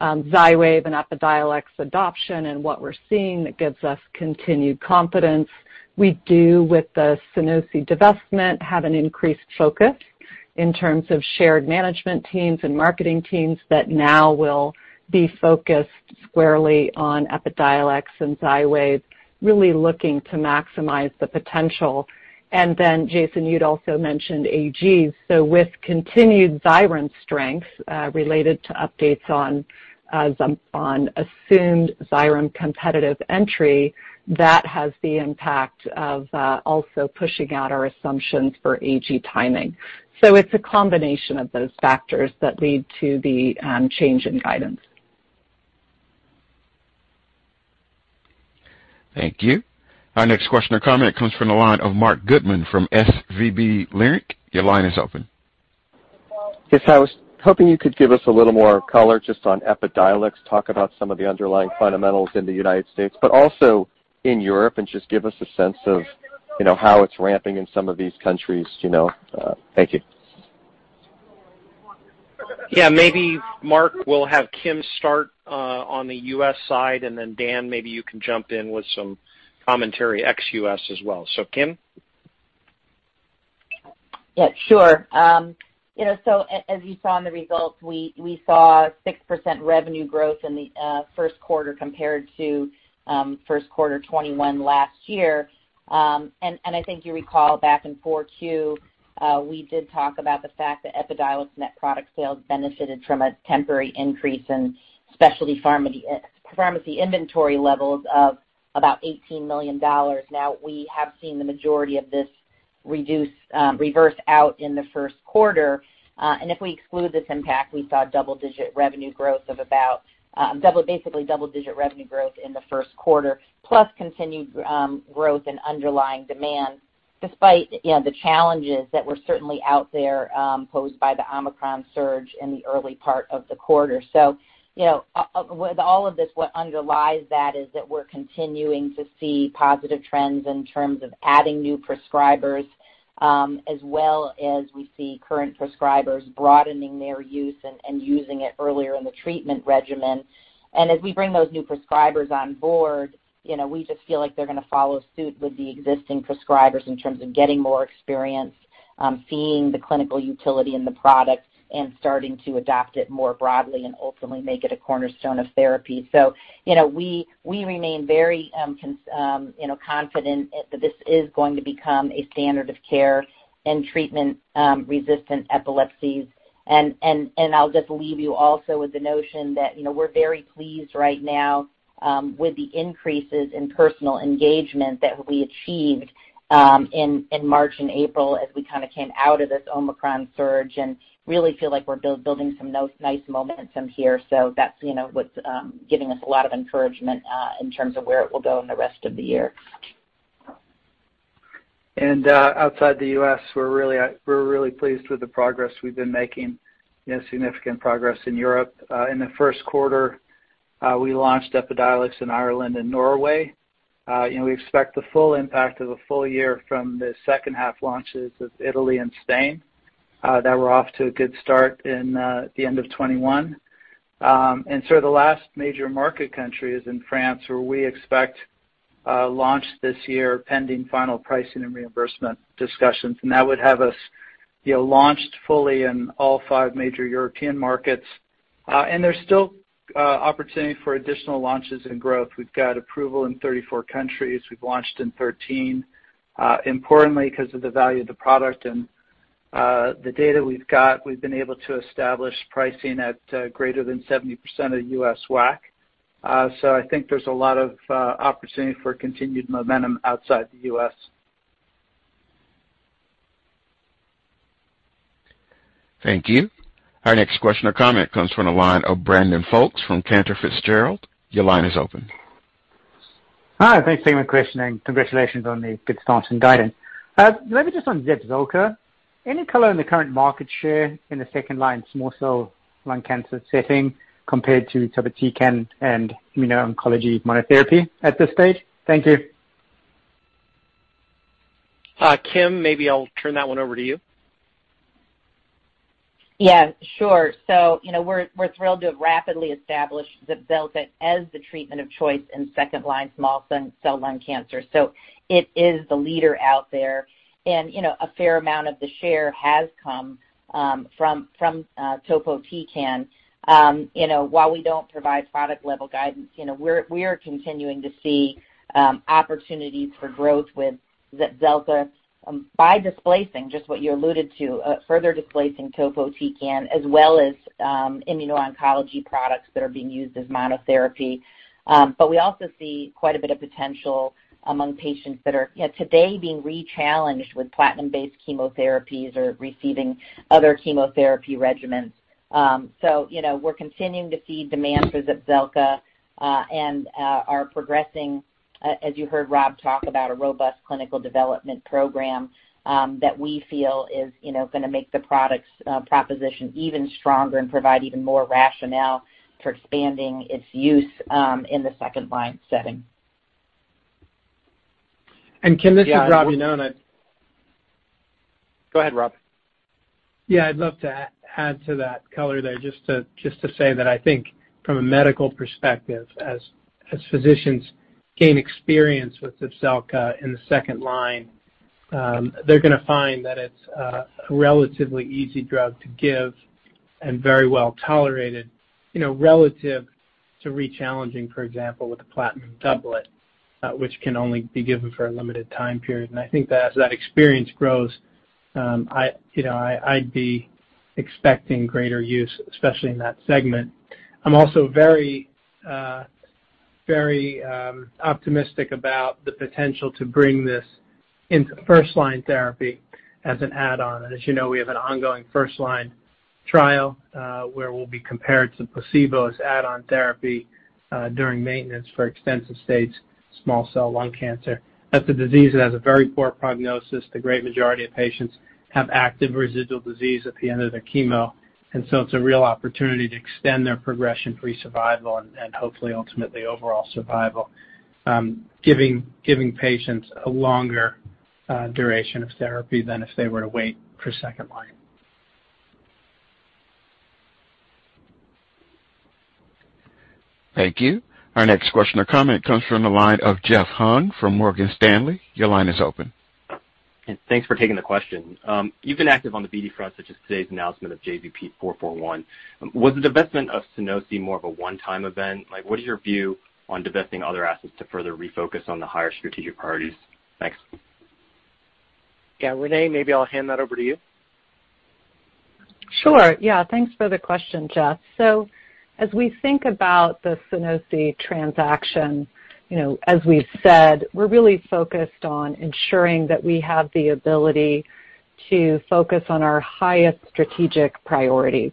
Xywav and Epidiolex adoption, and what we're seeing that gives us continued confidence. We do, with the Sunosi divestment, have an increased focus in terms of shared management teams and marketing teams that now will be focused squarely on Epidiolex and Xywav, really looking to maximize the potential. And then, Jason, you'd also mentioned AGs. So with continued Xyrem strength related to updates on assumed Xyrem competitive entry, that has the impact of also pushing out our assumptions for AG timing. So it's a combination of those factors that lead to the change in guidance. Thank you. Our next question or comment comes from the line of Marc Goodman from SVB Leerink. Your line is open. Yes, I was hoping you could give us a little more color just on Epidiolex, talk about some of the underlying fundamentals in the United States, but also in Europe, and just give us a sense of how it's ramping in some of these countries. Thank you. Yeah, maybe Marc will have Kim start on the U.S. side, and then Dan, maybe you can jump in with some commentary ex-U.S. as well. So Kim? Yeah, sure. So as you saw in the results, we saw 6% revenue growth in the first quarter compared to first quarter 2021 last year. And I think you recall back in Q4, we did talk about the fact that Epidiolex net product sales benefited from a temporary increase in specialty pharmacy inventory levels of about $18 million. Now, we have seen the majority of this reverse out in the first quarter. And if we exclude this impact, we saw double-digit revenue growth of about basically double-digit revenue growth in the first quarter, plus continued growth in underlying demand despite the challenges that were certainly out there posed by the Omicron surge in the early part of the quarter. So with all of this, what underlies that is that we're continuing to see positive trends in terms of adding new prescribers, as well as we see current prescribers broadening their use and using it earlier in the treatment regimen. And as we bring those new prescribers on board, we just feel like they're going to follow suit with the existing prescribers in terms of getting more experience, seeing the clinical utility in the product, and starting to adopt it more broadly and ultimately make it a cornerstone of therapy. So we remain very confident that this is going to become a standard of care and treatment-resistant epilepsies. And I'll just leave you also with the notion that we're very pleased right now with the increases in personal engagement that we achieved in March and April as we kind of came out of this Omicron surge and really feel like we're building some nice momentum here. So that's what's giving us a lot of encouragement in terms of where it will go in the rest of the year. And outside the U.S., we're really pleased with the progress we've been making, significant progress in Europe. In the first quarter, we launched Epidiolex in Ireland and Norway. We expect the full impact of a full year from the second-half launches of Italy and Spain that we're off to a good start in the end of 2021. And so the last major market country is in France, where we expect launch this year, pending final pricing and reimbursement discussions. And that would have us launched fully in all five major European markets. And there's still opportunity for additional launches and growth. We've got approval in 34 countries. We've launched in 13. Importantly, because of the value of the product and the data we've got, we've been able to establish pricing at greater than 70% of U.S. WAC. I think there's a lot of opportunity for continued momentum outside the U.S. Thank you. Our next question or comment comes from the line of Brandon Folkes from Cantor Fitzgerald. Your line is open. Hi. Thanks for taking my question and congratulations on the good start in guidance. Maybe just on Zepzelca, any color on the current market share in the second-line small cell lung cancer setting compared to topotecan and immuno-oncology monotherapy at this stage? Thank you. Kim, maybe I'll turn that one over to you. Yeah, sure. So we're thrilled to have rapidly established Zepzelca as the treatment of choice in second-line small cell lung cancer. So it is the leader out there. And a fair amount of the share has come from topotecan. While we don't provide product-level guidance, we are continuing to see opportunities for growth with Zepzelca by displacing just what you alluded to, further displacing topotecan as well as immuno-oncology products that are being used as monotherapy. But we also see quite a bit of potential among patients that are today being re-challenged with platinum-based chemotherapies or receiving other chemotherapy regimens. So we're continuing to see demand for Zepzelca and are progressing, as you heard Rob talk about, a robust clinical development program that we feel is going to make the product's proposition even stronger and provide even more rationale for expanding its use in the second-line setting. Kim, this is Rob. You know. Go ahead, Rob. Yeah, I'd love to add to that color there just to say that I think from a medical perspective, as physicians gain experience with Zepzelca in the second line, they're going to find that it's a relatively easy drug to give and very well tolerated relative to re-challenging, for example, with the platinum doublet, which can only be given for a limited time period. And I think that as that experience grows, I'd be expecting greater use, especially in that segment. I'm also very, very optimistic about the potential to bring this into first-line therapy as an add-on. And as you know, we have an ongoing first-line trial where we'll be compared to placebo as add-on therapy during maintenance for extensive stage small cell lung cancer. That's a disease that has a very poor prognosis. The great majority of patients have active residual disease at the end of their chemo, and so it's a real opportunity to extend their progression-free survival and hopefully, ultimately, overall survival, giving patients a longer duration of therapy than if they were to wait for second line. Thank you. Our next question or comment comes from the line of Jeff Hung from Morgan Stanley. Your line is open. Thanks for taking the question. You've been active on the BD front, such as today's announcement of JZP441. Was the divestment of Sunosi more of a one-time event? What is your view on divesting other assets to further refocus on the higher strategic priorities? Thanks. Yeah, Renee, maybe I'll hand that over to you. Sure. Yeah. Thanks for the question, Jeff. So as we think about the Sunosi transaction, as we've said, we're really focused on ensuring that we have the ability to focus on our highest strategic priorities.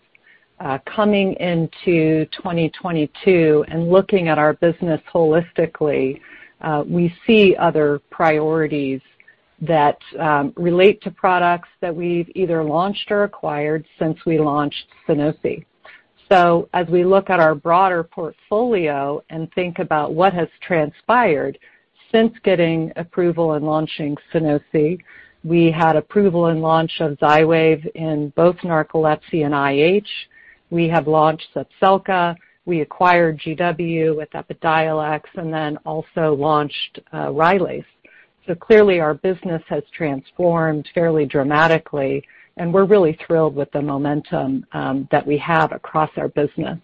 Coming into 2022 and looking at our business holistically, we see other priorities that relate to products that we've either launched or acquired since we launched Sunosi. So as we look at our broader portfolio and think about what has transpired since getting approval and launching Sunosi, we had approval and launch of Xywav in both narcolepsy and IH. We have launched Zepzelca. We acquired GW with Epidiolex and then also launched Rylaze. So clearly, our business has transformed fairly dramatically, and we're really thrilled with the momentum that we have across our business.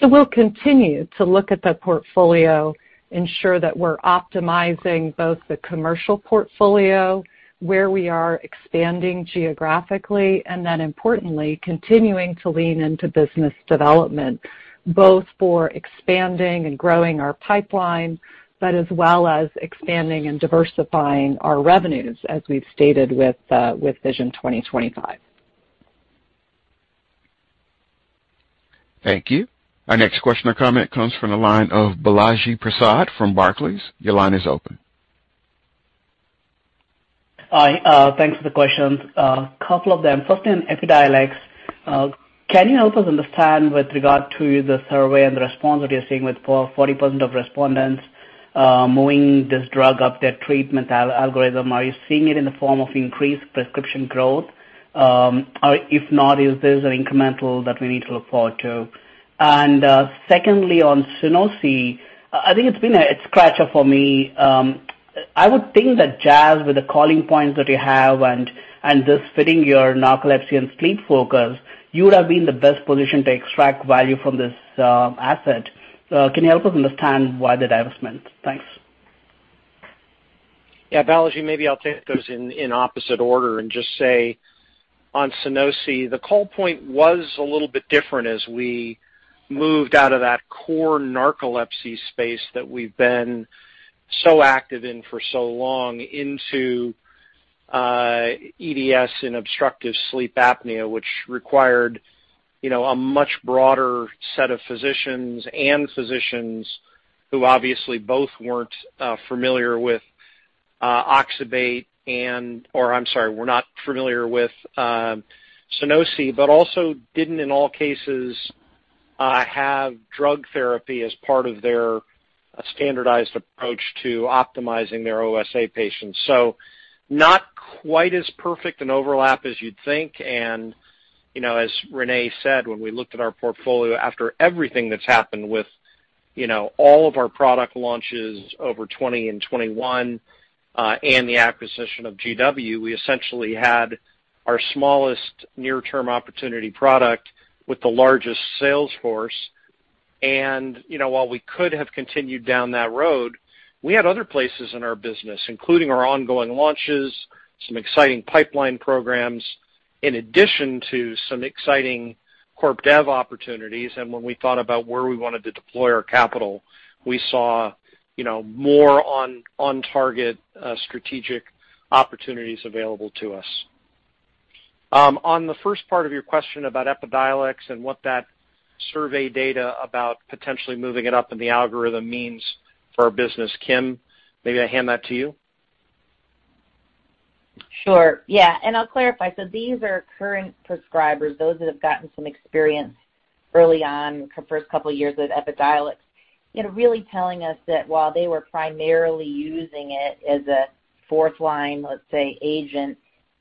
So we'll continue to look at the portfolio, ensure that we're optimizing both the commercial portfolio, where we are expanding geographically, and then, importantly, continuing to lean into business development, both for expanding and growing our pipeline, but as well as expanding and diversifying our revenues, as we've stated with Vision 2025. Thank you. Our next question or comment comes from the line of Balaji Prasad from Barclays. Your line is open. Hi. Thanks for the question. A couple of them. First, on Epidiolex, can you help us understand with regard to the survey and the response that you're seeing with 40% of respondents moving this drug up their treatment algorithm? Are you seeing it in the form of increased prescription growth? If not, is this an incremental that we need to look forward to? And second, on Sunosi, I think it's been a head-scratcher for me. I would think that Jazz, with the calling points that you have and this fitting your narcolepsy and sleep focus, you would have been in the best position to extract value from this asset. Can you help us understand why the divestment? Thanks. Yeah, Balaji, maybe I'll take those in opposite order and just say on Sunosi, the call point was a little bit different as we moved out of that core narcolepsy space that we've been so active in for so long into EDS and obstructive sleep apnea, which required a much broader set of physicians and physicians who obviously both weren't familiar with oxybate and, or I'm sorry, were not familiar with Sunosi, but also didn't in all cases have drug therapy as part of their standardized approach to optimizing their OSA patients. So not quite as perfect an overlap as you'd think. And as Renee said, when we looked at our portfolio after everything that's happened with all of our product launches over 2020 and 2021 and the acquisition of GW, we essentially had our smallest near-term opportunity product with the largest sales force. While we could have continued down that road, we had other places in our business, including our ongoing launches, some exciting pipeline programs in addition to some exciting corp dev opportunities. When we thought about where we wanted to deploy our capital, we saw more on-target strategic opportunities available to us. On the first part of your question about Epidiolex and what that survey data about potentially moving it up in the algorithm means for our business, Kim, maybe I hand that to you. Sure. Yeah. And I'll clarify. So these are current prescribers, those that have gotten some experience early on for the first couple of years with Epidiolex, really telling us that while they were primarily using it as a fourth-line, let's say, agent,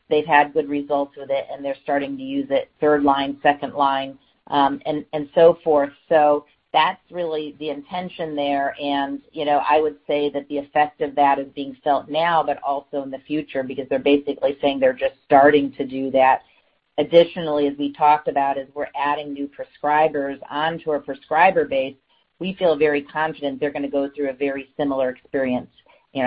they've had good results with it, and they're starting to use it third-line, second-line, and so forth. So that's really the intention there. And I would say that the effect of that is being felt now, but also in the future because they're basically saying they're just starting to do that. Additionally, as we talked about, as we're adding new prescribers onto our prescriber base, we feel very confident they're going to go through a very similar experience,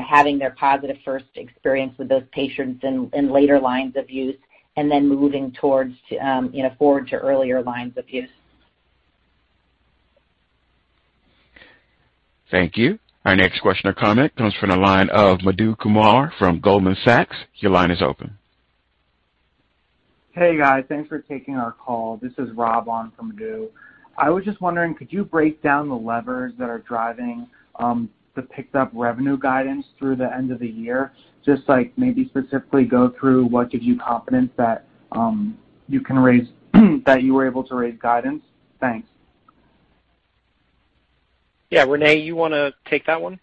having their positive first experience with those patients in later lines of use and then moving forward to earlier lines of use. Thank you. Our next question or comment comes from the line of Madhu Kumar from Goldman Sachs. Your line is open. Hey, guys. Thanks for taking our call. This is Rob on from Madhu. I was just wondering, could you break down the levers that are driving the picked-up revenue guidance through the end of the year? Just maybe specifically go through what gives you confidence that you were able to raise guidance. Thanks. Yeah. Renee, you want to take that one?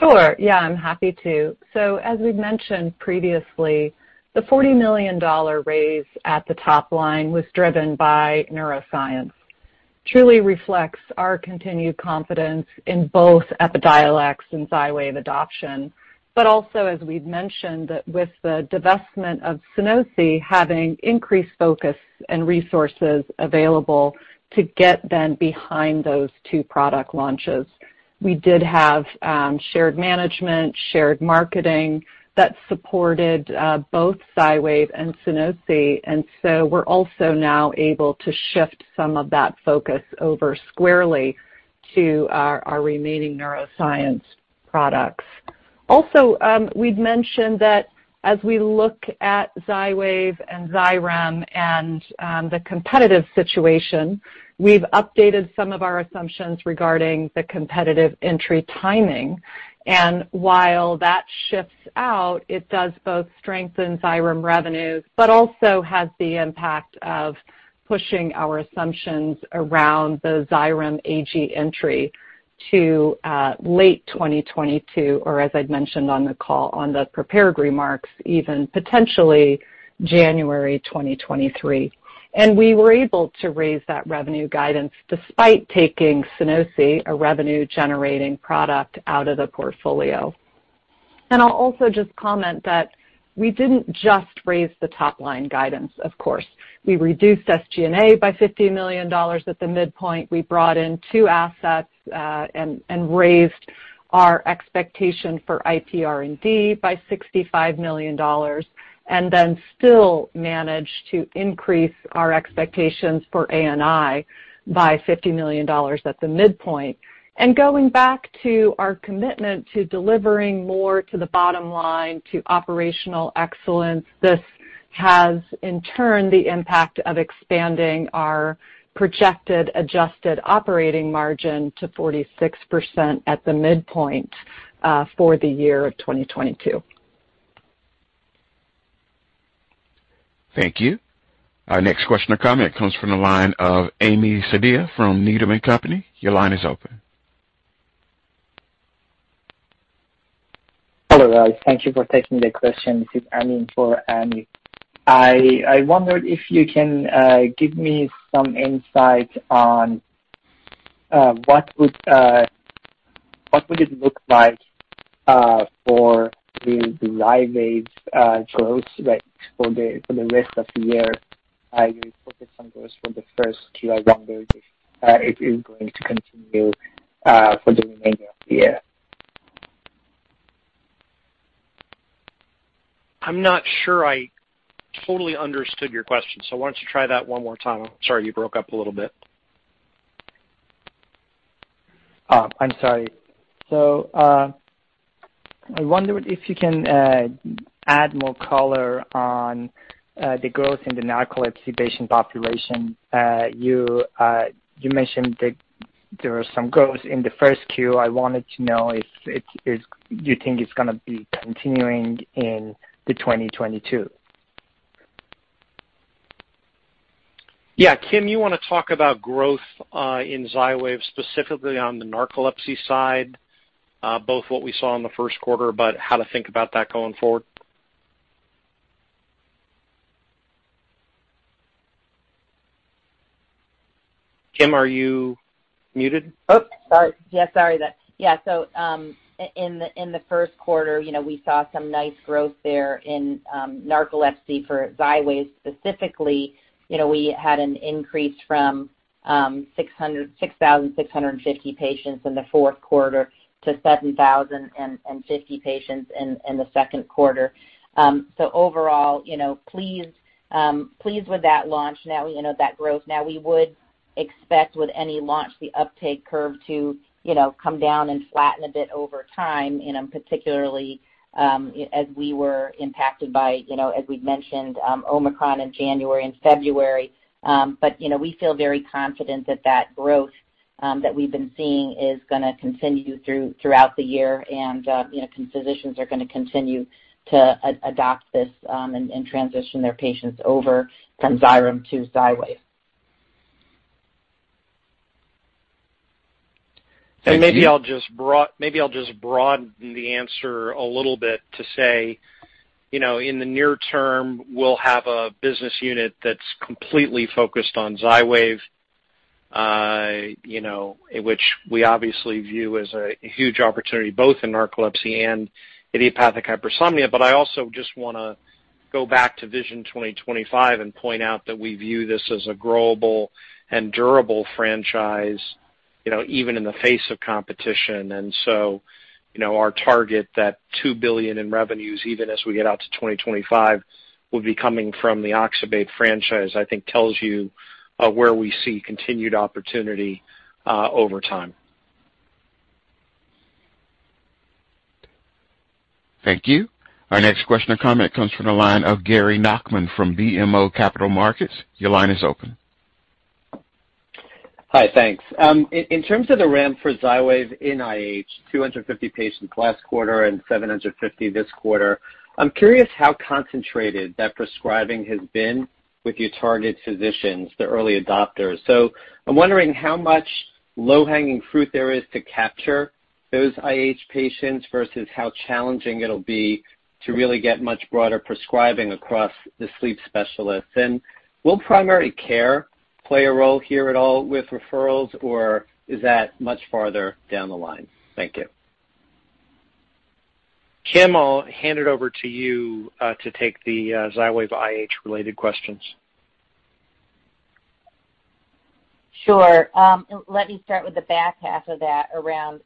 Sure. Yeah, I'm happy to. So as we've mentioned previously, the $40 million raise at the top line was driven by neuroscience. It truly reflects our continued confidence in both Epidiolex and Xywav adoption, but also, as we've mentioned, that with the divestment of Sunosi, having increased focus and resources available to get them behind those two product launches. We did have shared management, shared marketing that supported both Xywav and Sunosi. And so we're also now able to shift some of that focus over squarely to our remaining neuroscience products. Also, we'd mentioned that as we look at Xywav and Xyrem and the competitive situation, we've updated some of our assumptions regarding the competitive entry timing. While that shifts out, it does both strengthen Xyrem revenues, but also has the impact of pushing our assumptions around the Xyrem generic entry to late 2022, or as I'd mentioned on the call, in the prepared remarks, even potentially January 2023. We were able to raise that revenue guidance despite taking Sunosi, a revenue-generating product, out of the portfolio. I'll also just comment that we didn't just raise the top-line guidance, of course. We reduced SG&A by $50 million at the midpoint. We brought in two assets and raised our expectation for IPR&D by $65 million and then still managed to increase our expectations for ANI by $50 million at the midpoint. And going back to our commitment to delivering more to the bottom line to operational excellence, this has, in turn, the impact of expanding our Projected Adjusted Operating Margin to 46% at the midpoint for the year of 2022. Thank you. Our next question or comment comes from the line of Ami Fadia from Needham & Company. Your line is open. Hello, guys. Thank you for taking the question. This is Armin for Ami. I wondered if you can give me some insight on what would it look like for the Xywav growth rate for the rest of the year, your focus on growth for the first Q1 versus if it is going to continue for the remainder of the year. I'm not sure I totally understood your question, so why don't you try that one more time? I'm sorry you broke up a little bit. Oh, I'm sorry, so I wondered if you can add more color on the growth in the narcolepsy patient population. You mentioned there were some growth in the first Q. I wanted to know if you think it's going to be continuing in the 2022. Yeah. Kim, you want to talk about growth in Xywav specifically on the narcolepsy side, both what we saw in the first quarter, but how to think about that going forward? Kim, are you muted? So in the first quarter, we saw some nice growth there in narcolepsy for Xywav specifically. We had an increase from 6,650 patients in the fourth quarter to 7,050 patients in the second quarter. So overall, pleased with that launch, now that growth. Now, we would expect with any launch the uptake curve to come down and flatten a bit over time, particularly as we were impacted by, as we've mentioned, Omicron in January and February. But we feel very confident that that growth that we've been seeing is going to continue throughout the year, and physicians are going to continue to adopt this and transition their patients over from Xyrem to Xywav. And maybe I'll just broaden the answer a little bit to say in the near term, we'll have a business unit that's completely focused on Xywav, which we obviously view as a huge opportunity both in narcolepsy and idiopathic hypersomnia. But I also just want to go back to Vision 2025 and point out that we view this as a growable and durable franchise, even in the face of competition. And so our target that 2 billion in revenues, even as we get out to 2025, will be coming from the oxybate franchise, I think, tells you where we see continued opportunity over time. Thank you. Our next question or comment comes from the line of Gary Nachman from BMO Capital Markets. Your line is open. Hi, thanks. In terms of the ramp for Xywav in IH, 250 patients last quarter and 750 this quarter, I'm curious how concentrated that prescribing has been with your target physicians, the early adopters. So I'm wondering how much low-hanging fruit there is to capture those IH patients versus how challenging it'll be to really get much broader prescribing across the sleep specialists. And will primary care play a role here at all with referrals, or is that much farther down the line? Thank you. Kim, I'll hand it over to you to take the Xywav IH-related questions. Sure. Let me start with the back half of that around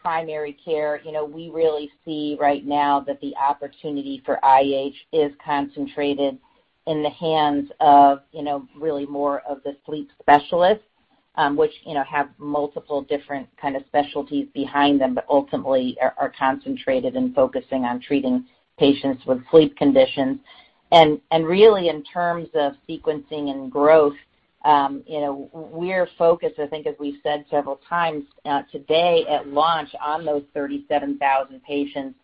primary care. We really see right now that the opportunity for IH is concentrated in the hands of really more of the sleep specialists, which have multiple different kinds of specialties behind them, but ultimately are concentrated in focusing on treating patients with sleep conditions. And really, in terms of sequencing and growth, we're focused, I think, as we've said several times today at launch on those 37,000 patients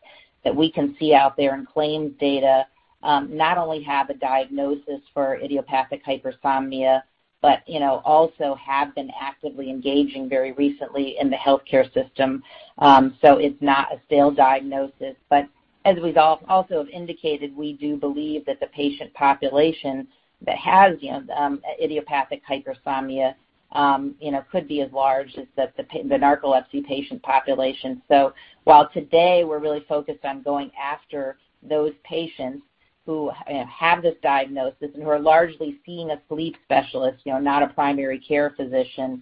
that we can see out there in claims data, not only have a diagnosis for idiopathic hypersomnia, but also have been actively engaging very recently in the healthcare system. So it's not a stale diagnosis. But as we've also indicated, we do believe that the patient population that has idiopathic hypersomnia could be as large as the narcolepsy patient population. So while today we're really focused on going after those patients who have this diagnosis and who are largely seeing a sleep specialist, not a primary care physician,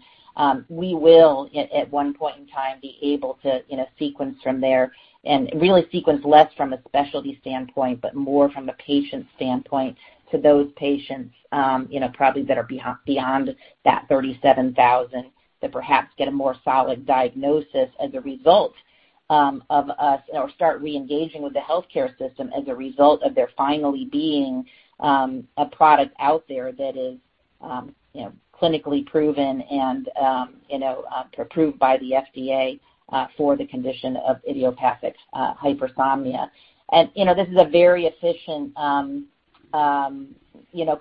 we will at one point in time be able to sequence from there and really sequence less from a specialty standpoint, but more from a patient standpoint to those patients probably that are beyond that 37,000 that perhaps get a more solid diagnosis as a result of us or start re-engaging with the healthcare system as a result of there finally being a product out there that is clinically proven and approved by the FDA for the condition of idiopathic hypersomnia. And this is a very efficient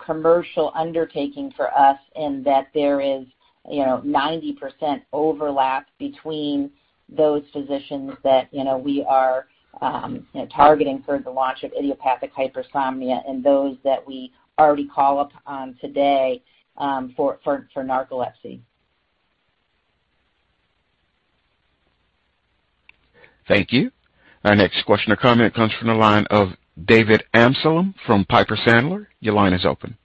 commercial undertaking for us in that there is 90% overlap between those physicians that we are targeting for the launch of idiopathic hypersomnia and those that we already call upon today for narcolepsy. Thank you. Our next question or comment comes from the line of David Amsallem from Piper Sandler. Your line is open.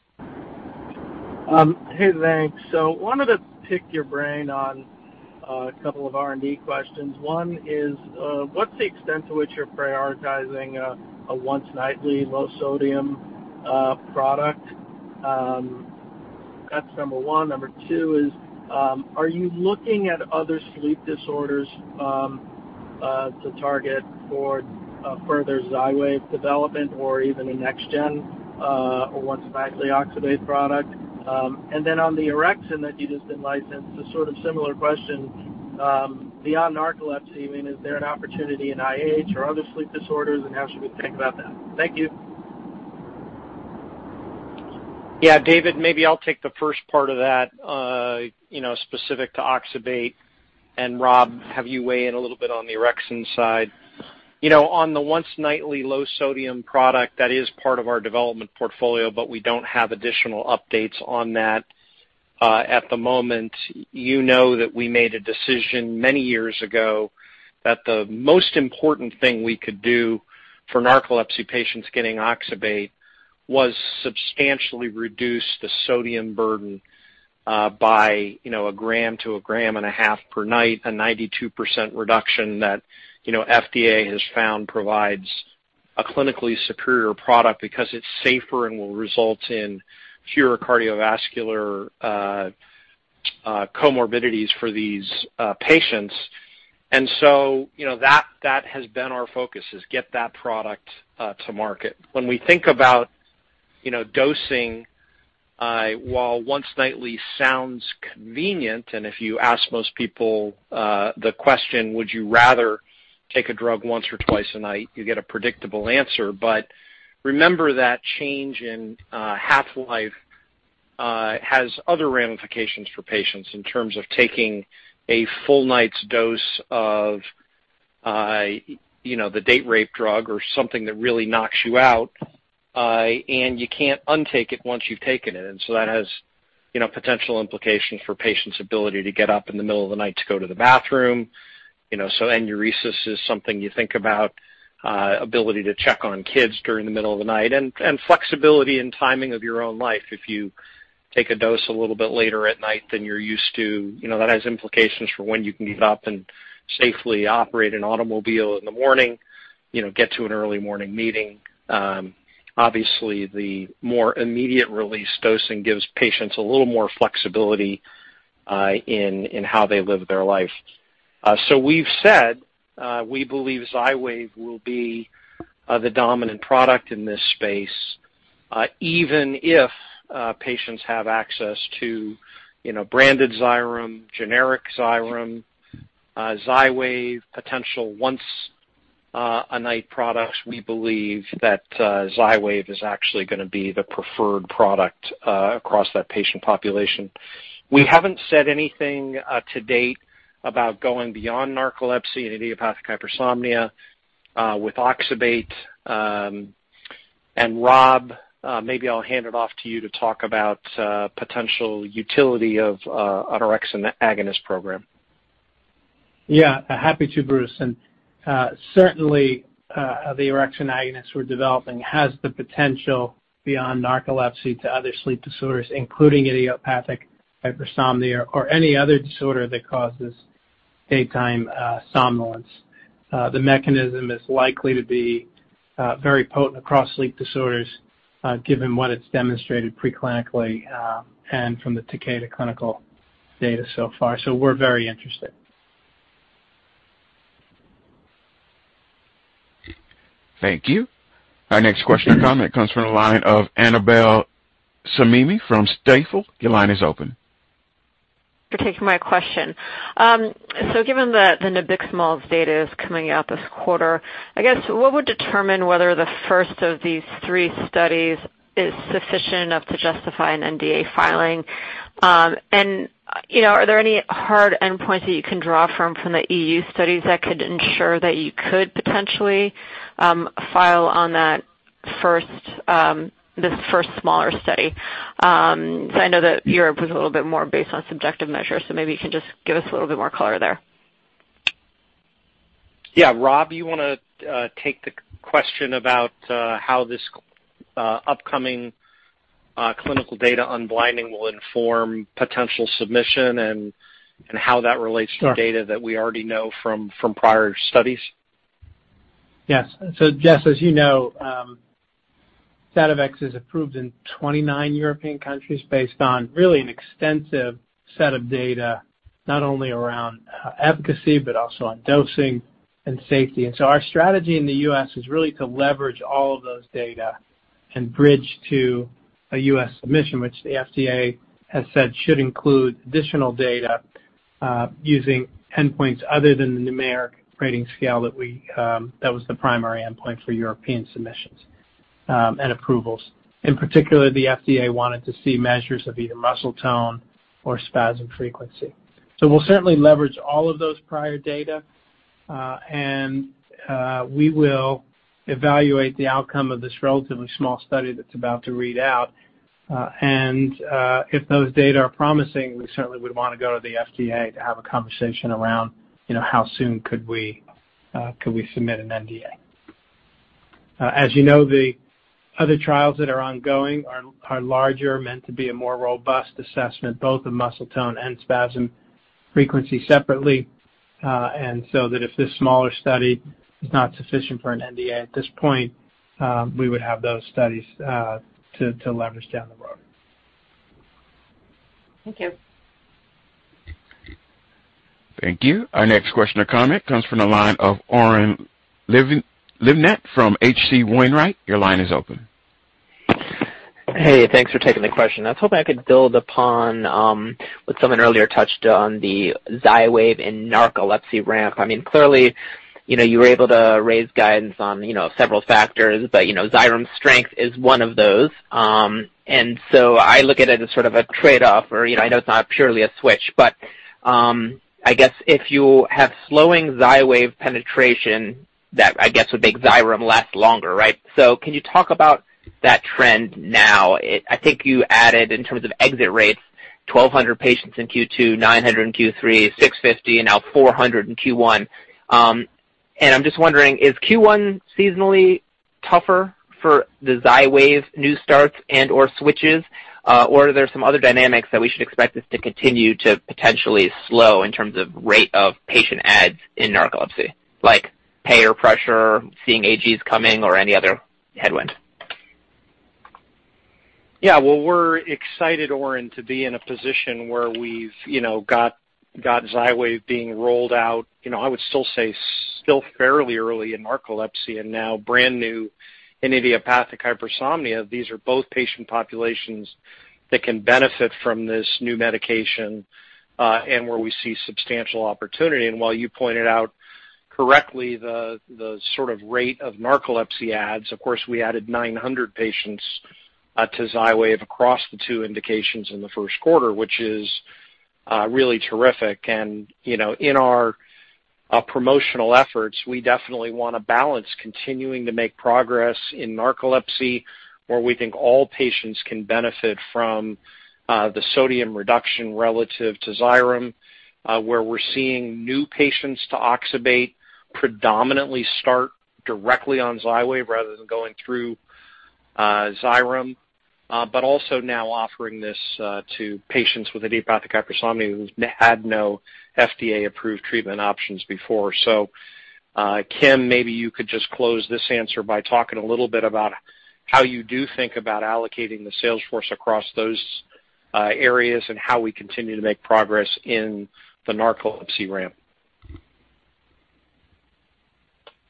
Hey, thanks. So wanted to pick your brain on a couple of R&D questions. One is, what's the extent to which you're prioritizing a once-nightly low-sodium product? That's number one. Number two is, are you looking at other sleep disorders to target for further Xywav development or even a next-gen or once-nightly oxybate product? And then on the orexin that you just mentioned, it's a sort of similar question. Beyond narcolepsy, I mean, is there an opportunity in IH or other sleep disorders, and how should we think about that? Thank you. Yeah, David, maybe I'll take the first part of that specific to oxybate. And Rob, have you weigh in a little bit on the orexin side? On the once-nightly low-sodium product, that is part of our development portfolio, but we don't have additional updates on that at the moment. You know that we made a decision many years ago that the most important thing we could do for narcolepsy patients getting oxybate was substantially reduce the sodium burden by a gram to a gram and a half per night, a 92% reduction that the FDA has found provides a clinically superior product because it's safer and will result in fewer cardiovascular comorbidities for these patients. And so that has been our focus, is get that product to market. When we think about dosing, while once-nightly sounds convenient, and if you ask most people the question, would you rather take a drug once or twice a night, you get a predictable answer. But remember that change in half-life has other ramifications for patients in terms of taking a full-night's dose of the date rape drug or something that really knocks you out, and you can't untake it once you've taken it, and so that has potential implications for patients' ability to get up in the middle of the night to go to the bathroom. Enuresis is something you think about, ability to check on kids during the middle of the night, and flexibility and timing of your own life. If you take a dose a little bit later at night than you're used to, that has implications for when you can get up and safely operate an automobile in the morning, get to an early morning meeting. Obviously, the more immediate-release dosing gives patients a little more flexibility in how they live their life. So we've said we believe Xywav will be the dominant product in this space, even if patients have access to branded Xyrem, generic Xyrem, Xywav, potential once-a-night products. We believe that Xywav is actually going to be the preferred product across that patient population. We haven't said anything to date about going beyond narcolepsy and idiopathic hypersomnia with oxybate. And Rob, maybe I'll hand it off to you to talk about potential utility of an orexin agonist program. Yeah, happy to, Bruce. And certainly, the orexin agonist we're developing has the potential beyond narcolepsy to other sleep disorders, including idiopathic hypersomnia or any other disorder that causes daytime somnolence. The mechanism is likely to be very potent across sleep disorders given what it's demonstrated preclinically and from the Takeda clinical data so far. So we're very interested. Thank you. Our next question or comment comes from the line of Annabel Samimy from Stifel. Your line is open. To take my question. So given the nabiximols data is coming out this quarter, I guess what would determine whether the first of these three studies is sufficient enough to justify an NDA filing? And are there any hard endpoints that you can draw from the EU studies that could ensure that you could potentially file on this first smaller study? So I know that Europe was a little bit more based on subjective measures, so maybe you can just give us a little bit more color there. Yeah. Rob, you want to take the question about how this upcoming clinical data on blinding will inform potential submission and how that relates to data that we already know from prior studies? Yes. So just so you know, Sativex is approved in 29 European countries based on really an extensive set of data, not only around efficacy, but also on dosing and safety. Our strategy in the U.S. is really to leverage all of those data and bridge to a U.S. submission, which the FDA has said should include additional data using endpoints other than the numeric rating scale that was the primary endpoint for European submissions and approvals. In particular, the FDA wanted to see measures of either muscle tone or spasm frequency. We'll certainly leverage all of those prior data, and we will evaluate the outcome of this relatively small study that's about to read out. If those data are promising, we certainly would want to go to the FDA to have a conversation around how soon could we submit an NDA. As you know, the other trials that are ongoing are larger, meant to be a more robust assessment, both of muscle tone and spasm frequency separately. And so that if this smaller study is not sufficient for an NDA at this point, we would have those studies to leverage down the road. Thank you. Thank you. Our next question or comment comes from the line of Oren Livnat from H.C. Wainwright. Your line is open. Hey, thanks for taking the question. I was hoping I could build upon what someone earlier touched on the Xywav and narcolepsy ramp. I mean, clearly, you were able to raise guidance on several factors, but Xyrem's strength is one of those. And so I look at it as sort of a trade-off, or I know it's not purely a switch, but I guess if you have slowing Xywav penetration that I guess would make Xyrem last longer, right? So can you talk about that trend now? I think you added, in terms of exit rates, 1,200 patients in Q2, 900 in Q3, 650, and now 400 in Q1. And I'm just wondering, is Q1 seasonally tougher for the Xywav new starts and/or switches, or are there some other dynamics that we should expect this to continue to potentially slow in terms of rate of patient adds in narcolepsy, like payer pressure, seeing AGs coming, or any other headwind? Yeah, well, we're excited, Oren, to be in a position where we've got Xywav being rolled out. I would still say still fairly early in narcolepsy and now brand new in idiopathic hypersomnia. These are both patient populations that can benefit from this new medication and where we see substantial opportunity. And while you pointed out correctly the sort of rate of narcolepsy adds, of course, we added 900 patients to Xywav across the two indications in the first quarter, which is really terrific. And in our promotional efforts, we definitely want to balance continuing to make progress in narcolepsy, where we think all patients can benefit from the sodium reduction relative to Xyrem, where we're seeing new patients to oxybate predominantly start directly on Xywav rather than going through Xyrem, but also now offering this to patients with idiopathic hypersomnia who've had no FDA-approved treatment options before. So Kim, maybe you could just close this answer by talking a little bit about how you do think about allocating the sales force across those areas and how we continue to make progress in the narcolepsy ramp.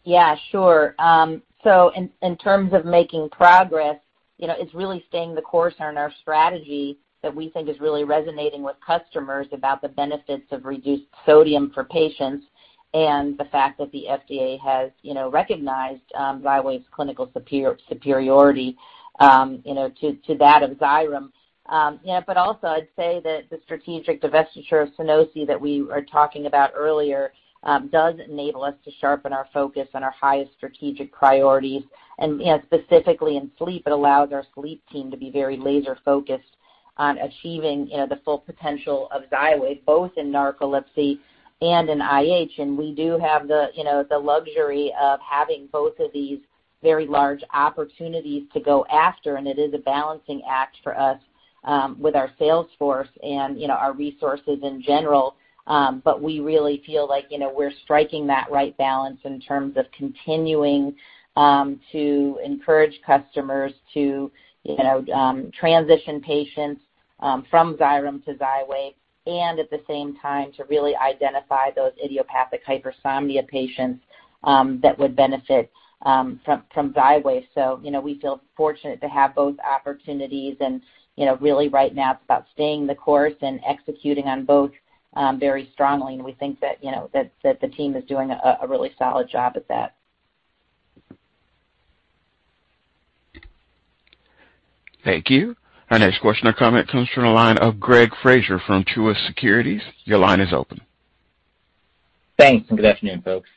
Yeah, sure. So in terms of making progress, it's really staying the course on our strategy that we think is really resonating with customers about the benefits of reduced sodium for patients and the fact that the FDA has recognized Xywav's clinical superiority to that of Xyrem. But also, I'd say that the strategic divestiture of Sunosi that we were talking about earlier does enable us to sharpen our focus on our highest strategic priorities. And specifically in sleep, it allows our sleep team to be very laser-focused on achieving the full potential of Xywav, both in narcolepsy and in IH. And we do have the luxury of having both of these very large opportunities to go after, and it is a balancing act for us with our salesforce and our resources in general. We really feel like we're striking that right balance in terms of continuing to encourage customers to transition patients from Xyrem to Xywav and at the same time to really identify those idiopathic hypersomnia patients that would benefit from Xywav. We feel fortunate to have both opportunities. Really right now, it's about staying the course and executing on both very strongly. We think that the team is doing a really solid job at that. Thank you. Our next question or comment comes from the line of Greg Fraser from Truist Securities. Your line is open. Thanks, and good afternoon, folks.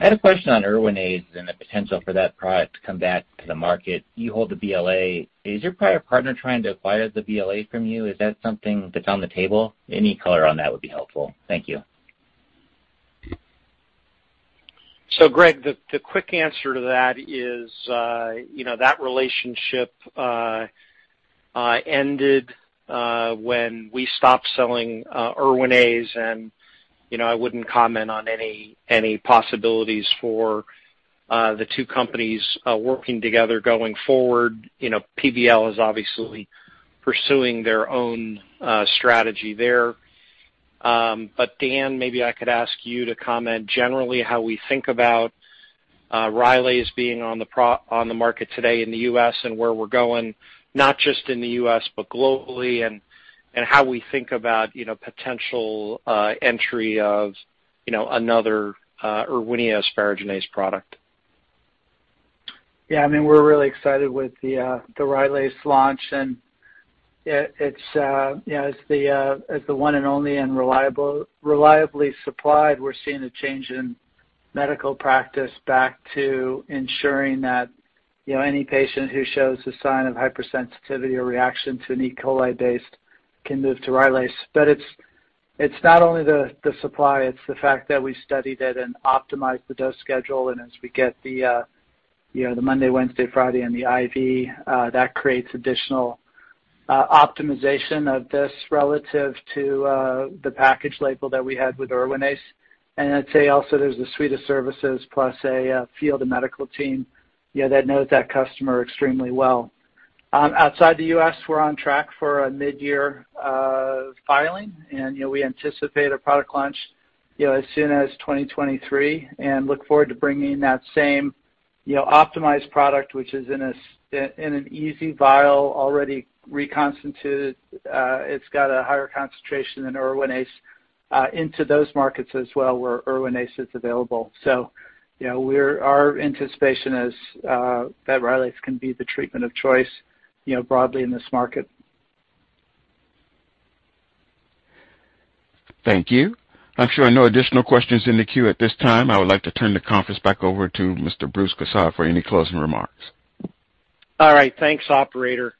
I had a question on Erwinaze and the potential for that product to come back to the market. You hold the BLA. Is your prior partner trying to acquire the BLA from you? Is that something that's on the table? Any color on that would be helpful. Thank you. So Greg, the quick answer to that is that relationship ended when we stopped selling Erwinaze, and I wouldn't comment on any possibilities for the two companies working together going forward. PBL is obviously pursuing their own strategy there. But Dan, maybe I could ask you to comment generally how we think about Rylaze being on the market today in the U.S. and where we're going, not just in the U.S., but globally, and how we think about potential entry of another Erwinaze asparaginase product. Yeah, I mean, we're really excited with the Rylaze's launch. And as the one and only and reliably supplied, we're seeing a change in medical practice back to ensuring that any patient who shows a sign of hypersensitivity or reaction to an E. coli-based can move to Rylaze. But it's not only the supply. It's the fact that we studied it and optimized the dose schedule. And as we get the Monday, Wednesday, Friday in the IV, that creates additional optimization of this relative to the package label that we had with Erwinaze. And I'd say also there's a suite of services plus a field and medical team that knows that customer extremely well. Outside the U.S., we're on track for a mid-year filing, and we anticipate a product launch as soon as 2023 and look forward to bringing that same optimized product, which is in an easy vial, already reconstituted. It's got a higher concentration than Erwinaze into those markets as well where Erwinaze is available. So our anticipation is that Rylaze can be the treatment of choice broadly in this market. Thank you. I'm sure no additional questions in the queue at this time. I would like to turn the conference back over to Mr. Bruce Cozadd for any closing remarks. All right, thanks, operator.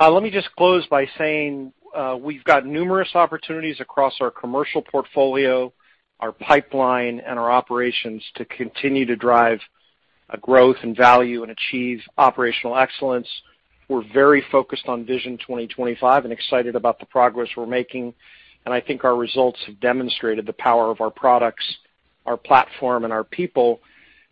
Let me just close by saying we've got numerous opportunities across our commercial portfolio, our pipeline, and our operations to continue to drive growth and value and achieve operational excellence. We're very focused on Vision 2025 and excited about the progress we're making. And I think our results have demonstrated the power of our products, our platform, and our people.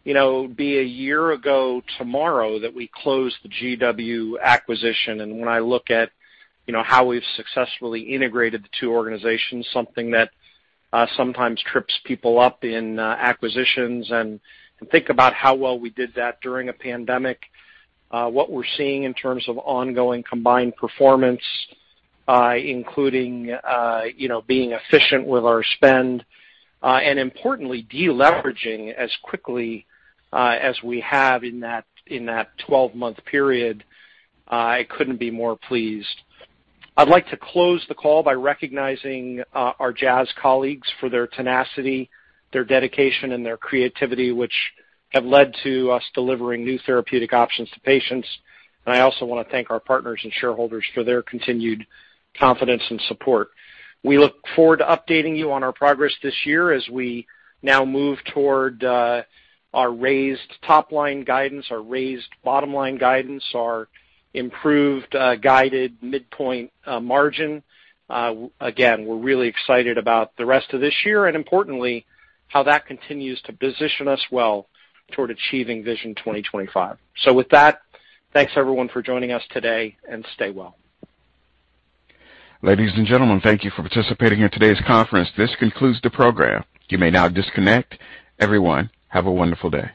It would be a year ago tomorrow that we closed the GW acquisition. And when I look at how we've successfully integrated the two organizations, something that sometimes trips people up in acquisitions and think about how well we did that during a pandemic, what we're seeing in terms of ongoing combined performance, including being efficient with our spend, and importantly, deleveraging as quickly as we have in that 12-month period, I couldn't be more pleased. I'd like to close the call by recognizing our Jazz colleagues for their tenacity, their dedication, and their creativity, which have led to us delivering new therapeutic options to patients. And I also want to thank our partners and shareholders for their continued confidence and support. We look forward to updating you on our progress this year as we now move toward our raised top-line guidance, our raised bottom-line guidance, our improved guided midpoint margin. Again, we're really excited about the rest of this year and, importantly, how that continues to position us well toward achieving Vision 2025. So with that, thanks everyone for joining us today, and stay well. Ladies and gentlemen, thank you for participating in today's conference. This concludes the program. You may now disconnect. Everyone, have a wonderful day.